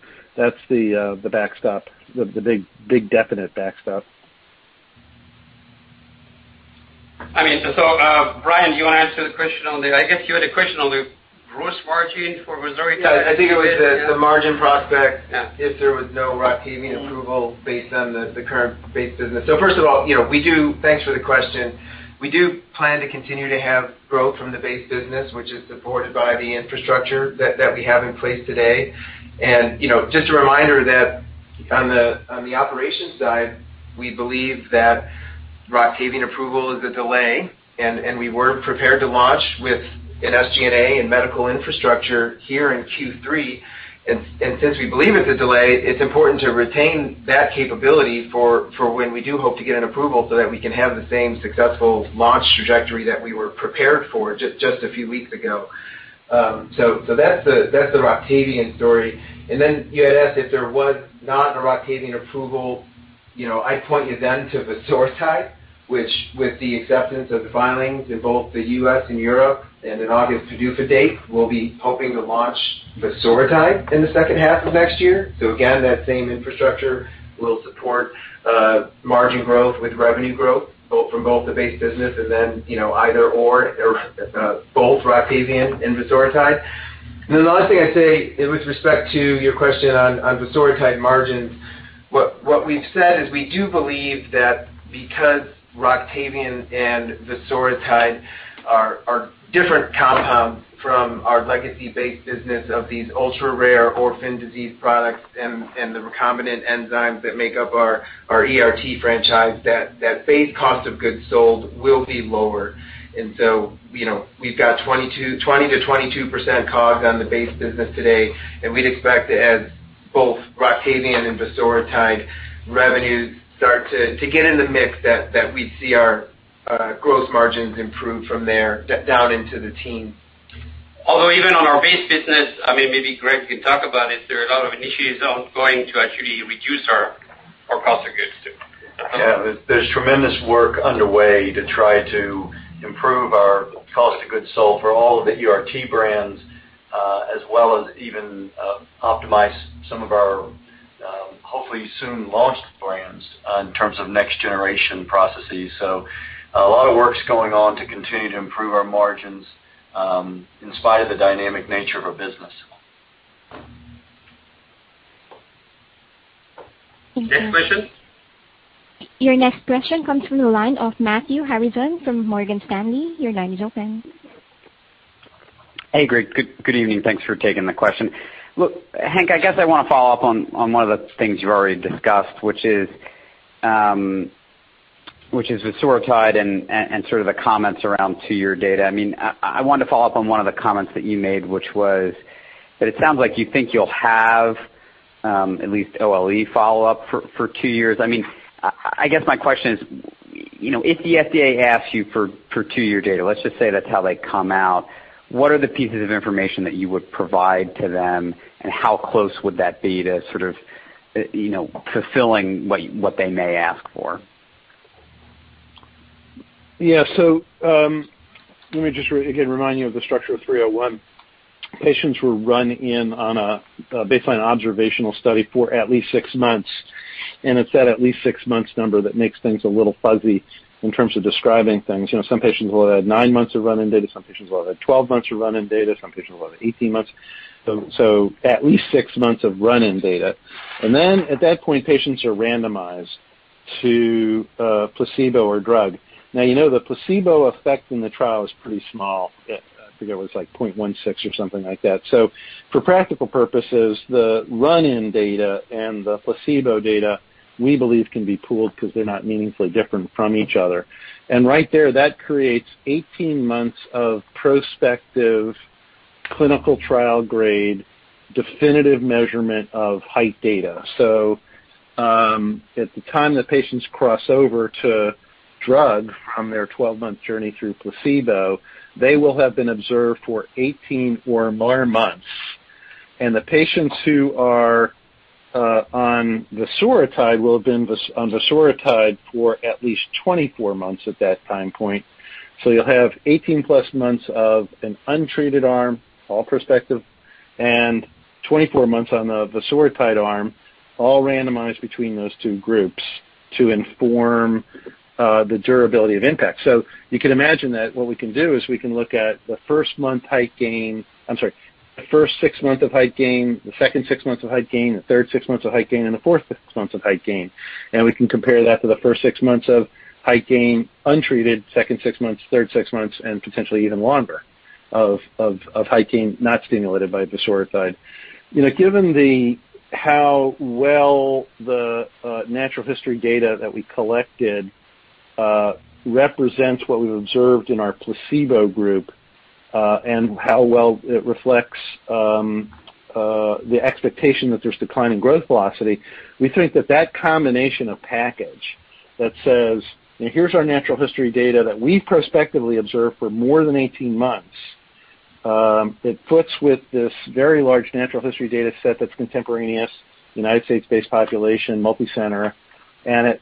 backstop, the big definite backstop. I mean, so Brian, do you want to answer the question on the gross margin for vosoritide? Yeah. I think it was the margin prospect if there was no Roctavian approval based on the current base business. So first of all, thanks for the question. We do plan to continue to have growth from the base business, which is supported by the infrastructure that we have in place today. And just a reminder that on the operations side, we believe that Roctavian approval is a delay. And we were prepared to launch with an SG&A and medical infrastructure here in Q3. And since we believe it's a delay, it's important to retain that capability for when we do hope to get an approval so that we can have the same successful launch trajectory that we were prepared for just a few weeks ago. So that's the Roctavian story. And then you had asked if there was not a Roctavian approval. I'd point you then to vosoritide, which, with the acceptance of the filings in both the U.S. and Europe and an August PDUFA date, we'll be hoping to launch vosoritide in the second half of next year. So again, that same infrastructure will support margin growth with revenue growth from both the base business and then either/or both Roctavian and vosoritide. And then the last thing I'd say with respect to your question on vosoritide margins, what we've said is we do believe that because Roctavian and vosoritide are different compounds from our legacy base business of these ultra-rare orphan disease products and the recombinant enzymes that make up our ERT franchise, that base cost of goods sold will be lower. And so we've got 20%-22% COGS on the base business today. We'd expect that as both Roctavian and vosoritide revenues start to get in the mix, that we'd see our gross margins improve from there down into the teens. Although even on our base business, I mean, maybe Greg can talk about it. There are a lot of initiatives ongoing to actually reduce our cost of goods too. Yeah. There's tremendous work underway to try to improve our cost of goods sold for all of the ERT brands as well as even optimize some of our hopefully soon launched brands in terms of next-generation processes, so a lot of work's going on to continue to improve our margins in spite of the dynamic nature of our business. Next question. Your next question comes from the line of Matthew Harrison from Morgan Stanley. Your line is open. Hey, Greg. Good evening. Thanks for taking the question. Look, Hank, I guess I want to follow up on one of the things you've already discussed, which is vosoritide and sort of the comments around two-year data. I mean, I wanted to follow up on one of the comments that you made, which was that it sounds like you think you'll have at least OLE follow-up for two years. I mean, I guess my question is, if the FDA asks you for two-year data, let's just say that's how they come out, what are the pieces of information that you would provide to them, and how close would that be to sort of fulfilling what they may ask for? Yeah, so let me just again remind you of the structure of 301. Patients were run in on a baseline observational study for at least six months, and it's that at least six months number that makes things a little fuzzy in terms of describing things. Some patients will have had nine months of run-in data. Some patients will have had 12 months of run-in data. Some patients will have had 18 months, so at least six months of run-in data, and then at that point, patients are randomized to a placebo or drug. Now, you know the placebo effect in the trial is pretty small. I think it was like 0.16 or something like that, so for practical purposes, the run-in data and the placebo data, we believe, can be pooled because they're not meaningfully different from each other. Right there, that creates 18 months of prospective clinical trial-grade definitive measurement of height data. At the time that patients cross over to drug from their 12-month journey through placebo, they will have been observed for 18 or more months. The patients who are on vosoritide will have been on vosoritide for at least 24 months at that time point. You'll have 18-plus months of an untreated arm, all prospective, and 24 months on the vosoritide arm, all randomized between those two groups to inform the durability of impact. You can imagine that what we can do is we can look at the first month height gain. I'm sorry, the first six months of height gain, the second six months of height gain, the third six months of height gain, and the fourth six months of height gain. We can compare that to the first six months of height gain untreated, second six months, third six months, and potentially even longer of height gain not stimulated by vosoritide. Given how well the natural history data that we collected represents what we've observed in our placebo group and how well it reflects the expectation that there's declining growth velocity, we think that that combination of package that says, "Here's our natural history data that we've prospectively observed for more than 18 months," it fits with this very large natural history data set that's contemporaneous, United States-based population, multicenter, and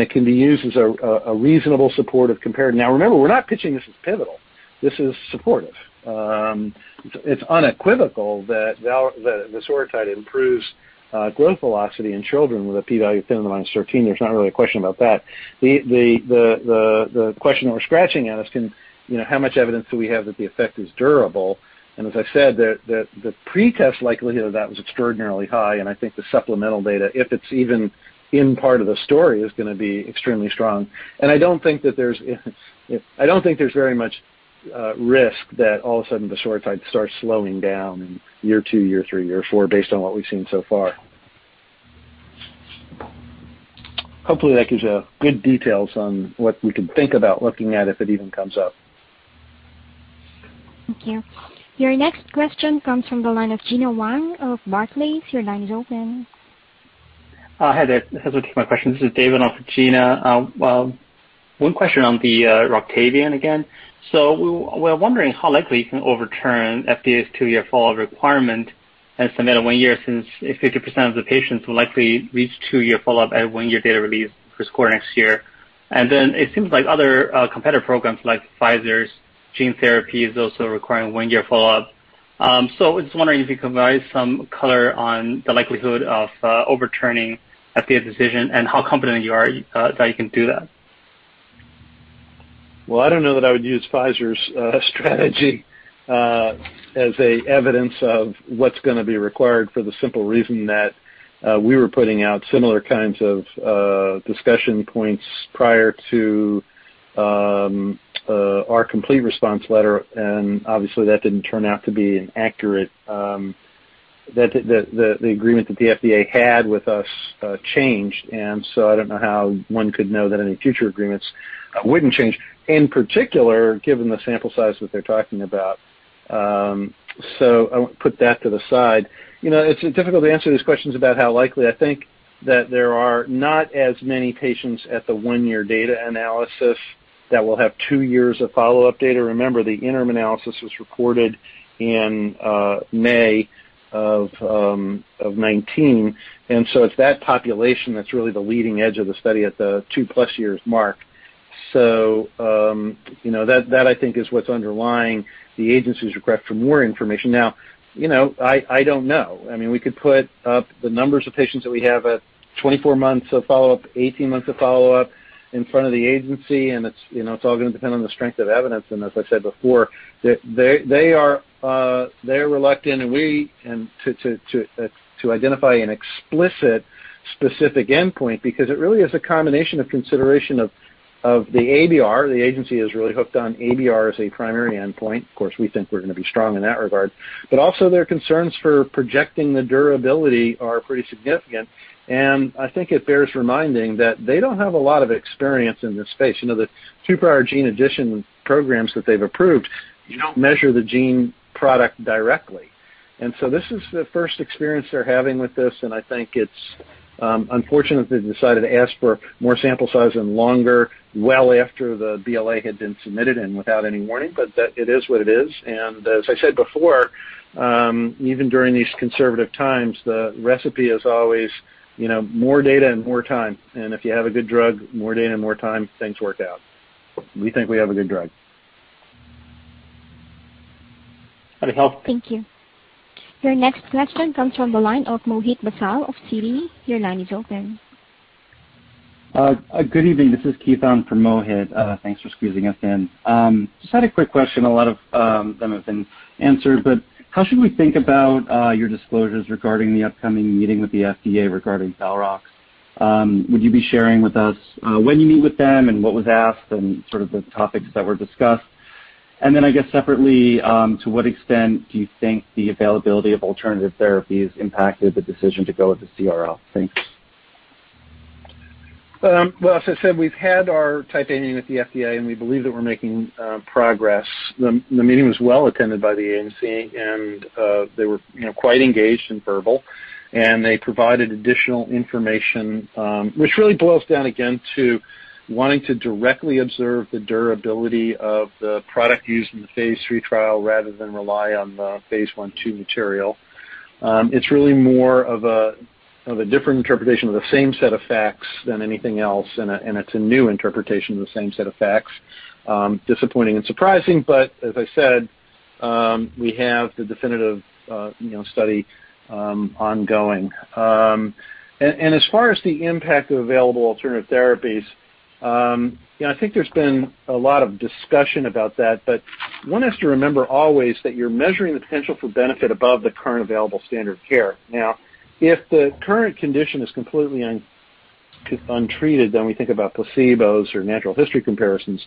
it can be used as a reasonable support for comparison. Now, remember, we're not pitching this as pivotal. This is supportive. It's unequivocal that vosoritide improves growth velocity in children with a p-value of 10 to the minus 13. There's not really a question about that. The question that we're scratching at is how much evidence do we have that the effect is durable? And as I said, the pretest likelihood of that was extraordinarily high, and I think the supplemental data, if it's even in part of the story, is going to be extremely strong. And I don't think there's very much risk that all of a sudden vosoritide starts slowing down in year two, year three, year four based on what we've seen so far. Hopefully, that gives you good details on what we can think about looking at if it even comes up. Thank you. Your next question comes from the line of Gena Wang of Barclays. Your line is open. Hi, there. This is my question. This is David off of Gena. One question on the Roctavian again. So we're wondering how likely you can overturn FDA's two-year follow-up requirement and submit a one-year since 50% of the patients will likely reach two-year follow-up at a one-year data release for the score next year. And then it seems like other competitor programs like Pfizer's gene therapy is also requiring a one-year follow-up. So I was wondering if you can provide some color on the likelihood of overturning FDA decision and how confident you are that you can do that. I don't know that I would use Pfizer's strategy as evidence of what's going to be required for the simple reason that we were putting out similar kinds of discussion points prior to our complete response letter, and obviously, that didn't turn out to be inaccurate, that the agreement that the FDA had with us changed, and so I don't know how one could know that any future agreements wouldn't change, in particular, given the sample size that they're talking about, so I won't put that to the side. It's difficult to answer these questions about how likely. I think that there are not as many patients at the one-year data analysis that will have two years of follow-up data. Remember, the interim analysis was reported in May of 2019, and so it's that population that's really the leading edge of the study at the two-plus years mark. So that, I think, is what's underlying the agency's request for more information. Now, I don't know. I mean, we could put up the numbers of patients that we have at 24 months of follow-up, 18 months of follow-up in front of the agency, and it's all going to depend on the strength of evidence. And as I said before, they are reluctant to identify an explicit specific endpoint because it really is a combination of consideration of the ABR. The agency is really hooked on ABR as a primary endpoint. Of course, we think we're going to be strong in that regard, but also, their concerns for projecting the durability are pretty significant. And I think it bears reminding that they don't have a lot of experience in this space. The two prior gene addition programs that they've approved, you don't measure the gene product directly. And so this is the first experience they're having with this. And I think it's unfortunate that they decided to ask for more sample size and longer follow-up well after the BLA had been submitted and without any warning. But it is what it is. And as I said before, even during these conservative times, the recipe is always more data and more time. And if you have a good drug, more data and more time, things work out. We think we have a good drug. Have a health. Thank you. Your next question comes from the line of Mohit Bansal of Citi. Your line is open. Good evening. This is Keith (audio distortion) for Mohit. Thanks for squeezing us in. Just had a quick question. A lot of them have been answered, but how should we think about your disclosures regarding the upcoming meeting with the FDA regarding Roctavian? Would you be sharing with us when you meet with them and what was asked and sort of the topics that were discussed, and then I guess separately, to what extent do you think the availability of alternative therapies impacted the decision to go with the CRL? Thanks. As I said, we've had our meeting with the FDA, and we believe that we're making progress. The meeting was well attended by the agency, and they were quite engaged and verbal. They provided additional information, which really boils down again to wanting to directly observe the durability of the product used in the Phase III trial rather than rely on the Phase I/II material. It's really more of a different interpretation of the same set of facts than anything else. It's a new interpretation of the same set of facts. Disappointing and surprising. As I said, we have the definitive study ongoing. As far as the impact of available alternative therapies, I think there's been a lot of discussion about that. One has to remember always that you're measuring the potential for benefit above the current available standard of care. Now, if the current condition is completely untreated, then we think about placebos or natural history comparisons.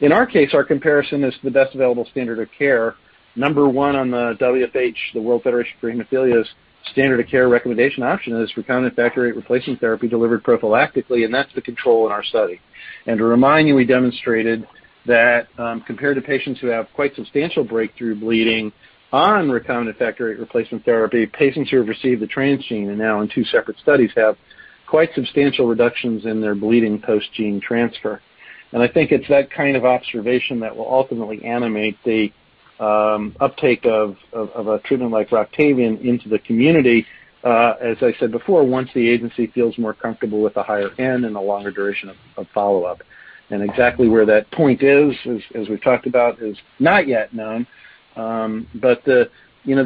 In our case, our comparison is the best available standard of care. Number one on the WFH, the World Federation of Hemophilia's standard of care recommendation option is recombinant factor VIII replacement therapy delivered prophylactically. And that's the control in our study. And to remind you, we demonstrated that compared to patients who have quite substantial breakthrough bleeding on recombinant factor VIII replacement therapy, patients who have received the transgene and now in two separate studies have quite substantial reductions in their bleeding post-gene transfer. And I think it's that kind of observation that will ultimately animate the uptake of a treatment like Roctavian into the community. As I said before, once the agency feels more comfortable with a higher end and a longer duration of follow-up. And exactly where that point is, as we've talked about, is not yet known. But the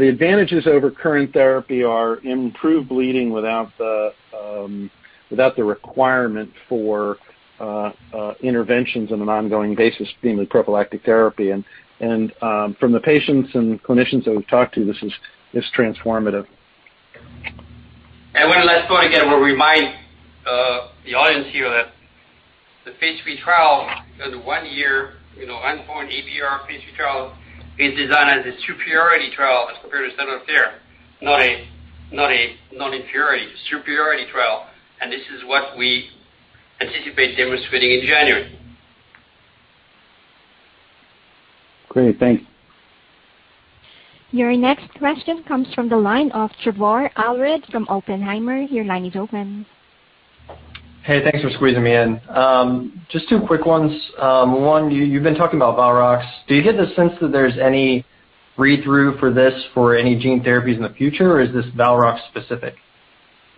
advantages over current therapy are improved bleeding without the requirement for interventions on an ongoing basis, namely prophylactic therapy. And from the patients and clinicians that we've talked to, this is transformative. One last point again where we remind the audience here that the Phase III trial and the one-year unconfirmed ABR Phase III trial is designed as a superiority trial as compared to standard of care, not a non-inferiority, superiority trial. This is what we anticipate demonstrating in January. Great. Thanks. Your next question comes from the line of Trevor Allred from Oppenheimer. Your line is open. Hey, thanks for squeezing me in. Just two quick ones. One, you've been talking about Roctavian. Do you get the sense that there's any read-through for this for any gene therapies in the future, or is this Roctavian specific?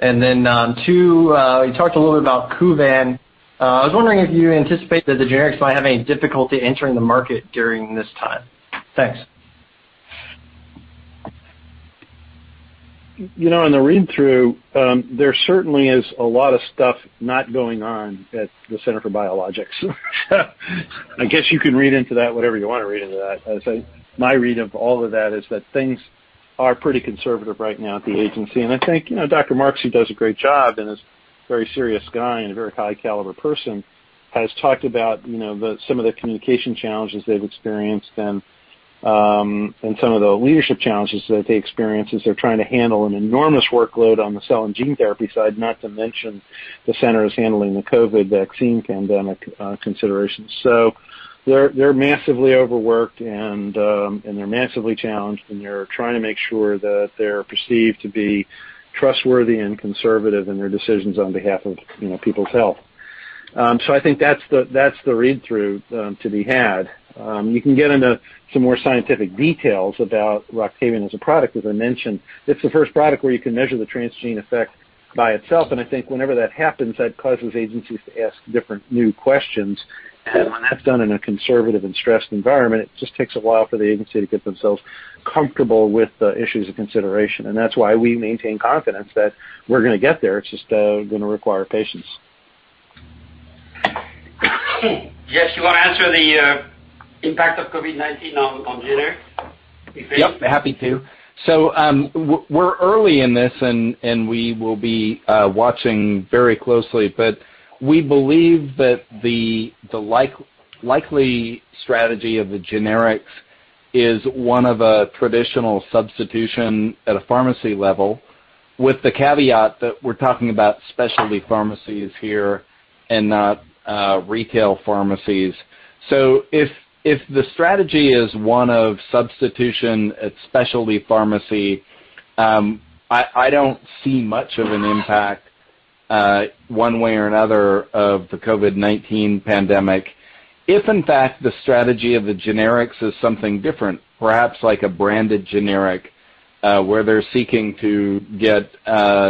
And then two, you talked a little bit about Kuvan. I was wondering if you anticipate that the generics might have any difficulty entering the market during this time. Thanks. On the read-through, there certainly is a lot of stuff not going on at the Center for Biologics. I guess you can read into that whatever you want to read into that. My read of all of that is that things are pretty conservative right now at the agency, and I think Dr. Marks, who does a great job and is a very serious guy and a very high-caliber person, has talked about some of the communication challenges they've experienced and some of the leadership challenges that they experience as they're trying to handle an enormous workload on the cell and gene therapy side, not to mention the center is handling the COVID vaccine pandemic considerations, so they're massively overworked, and they're massively challenged, and they're trying to make sure that they're perceived to be trustworthy and conservative in their decisions on behalf of people's health. So I think that's the read-through to be had. You can get into some more scientific details about Roctavian as a product. As I mentioned, it's the first product where you can measure the transgene effect by itself. And I think whenever that happens, that causes agencies to ask different new questions. And when that's done in a conservative and stressed environment, it just takes a while for the agency to get themselves comfortable with the issues of consideration. And that's why we maintain confidence that we're going to get there. It's just going to require patience. Jeff. You want to answer the impact of COVID-19 on generics? Yep. Happy to. So we're early in this, and we will be watching very closely. But we believe that the likely strategy of the generics is one of a traditional substitution at a pharmacy level with the caveat that we're talking about specialty pharmacies here and not retail pharmacies. So if the strategy is one of substitution at specialty pharmacy, I don't see much of an impact one way or another of the COVID-19 pandemic. If, in fact, the strategy of the generics is something different, perhaps like a branded generic where they're seeking to get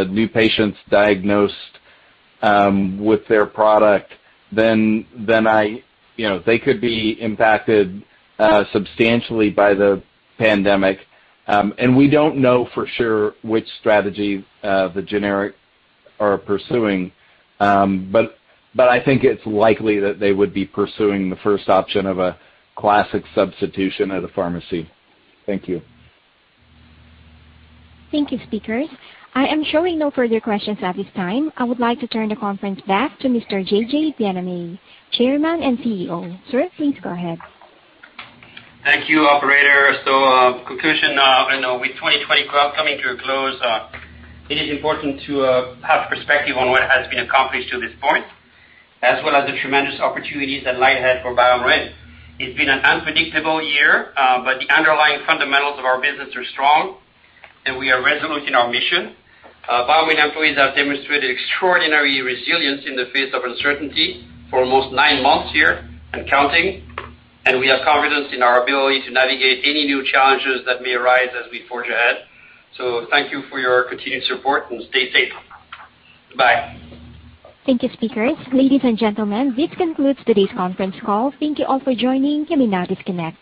new patients diagnosed with their product, then they could be impacted substantially by the pandemic. And we don't know for sure which strategy the generics are pursuing. But I think it's likely that they would be pursuing the first option of a classic substitution at a pharmacy. Thank you. Thank you, speakers. I am showing no further questions at this time. I would like to turn the conference back to Mr. J.J. Bienaimé, Chairman and CEO. Sir, please go ahead. Thank you, Operator. So, in conclusion, with 2020 coming to a close, it is important to have perspective on what has been accomplished to this point, as well as the tremendous opportunities that lie ahead for BioMarin. It's been an unpredictable year, but the underlying fundamentals of our business are strong, and we are resolute in our mission. BioMarin employees have demonstrated extraordinary resilience in the face of uncertainty for almost nine months here and counting. We have confidence in our ability to navigate any new challenges that may arise as we forge ahead. Thank you for your continued support, and stay safe. Bye. Thank you, speakers. Ladies and gentlemen, this concludes today's conference call. Thank you all for joining. You may now disconnect.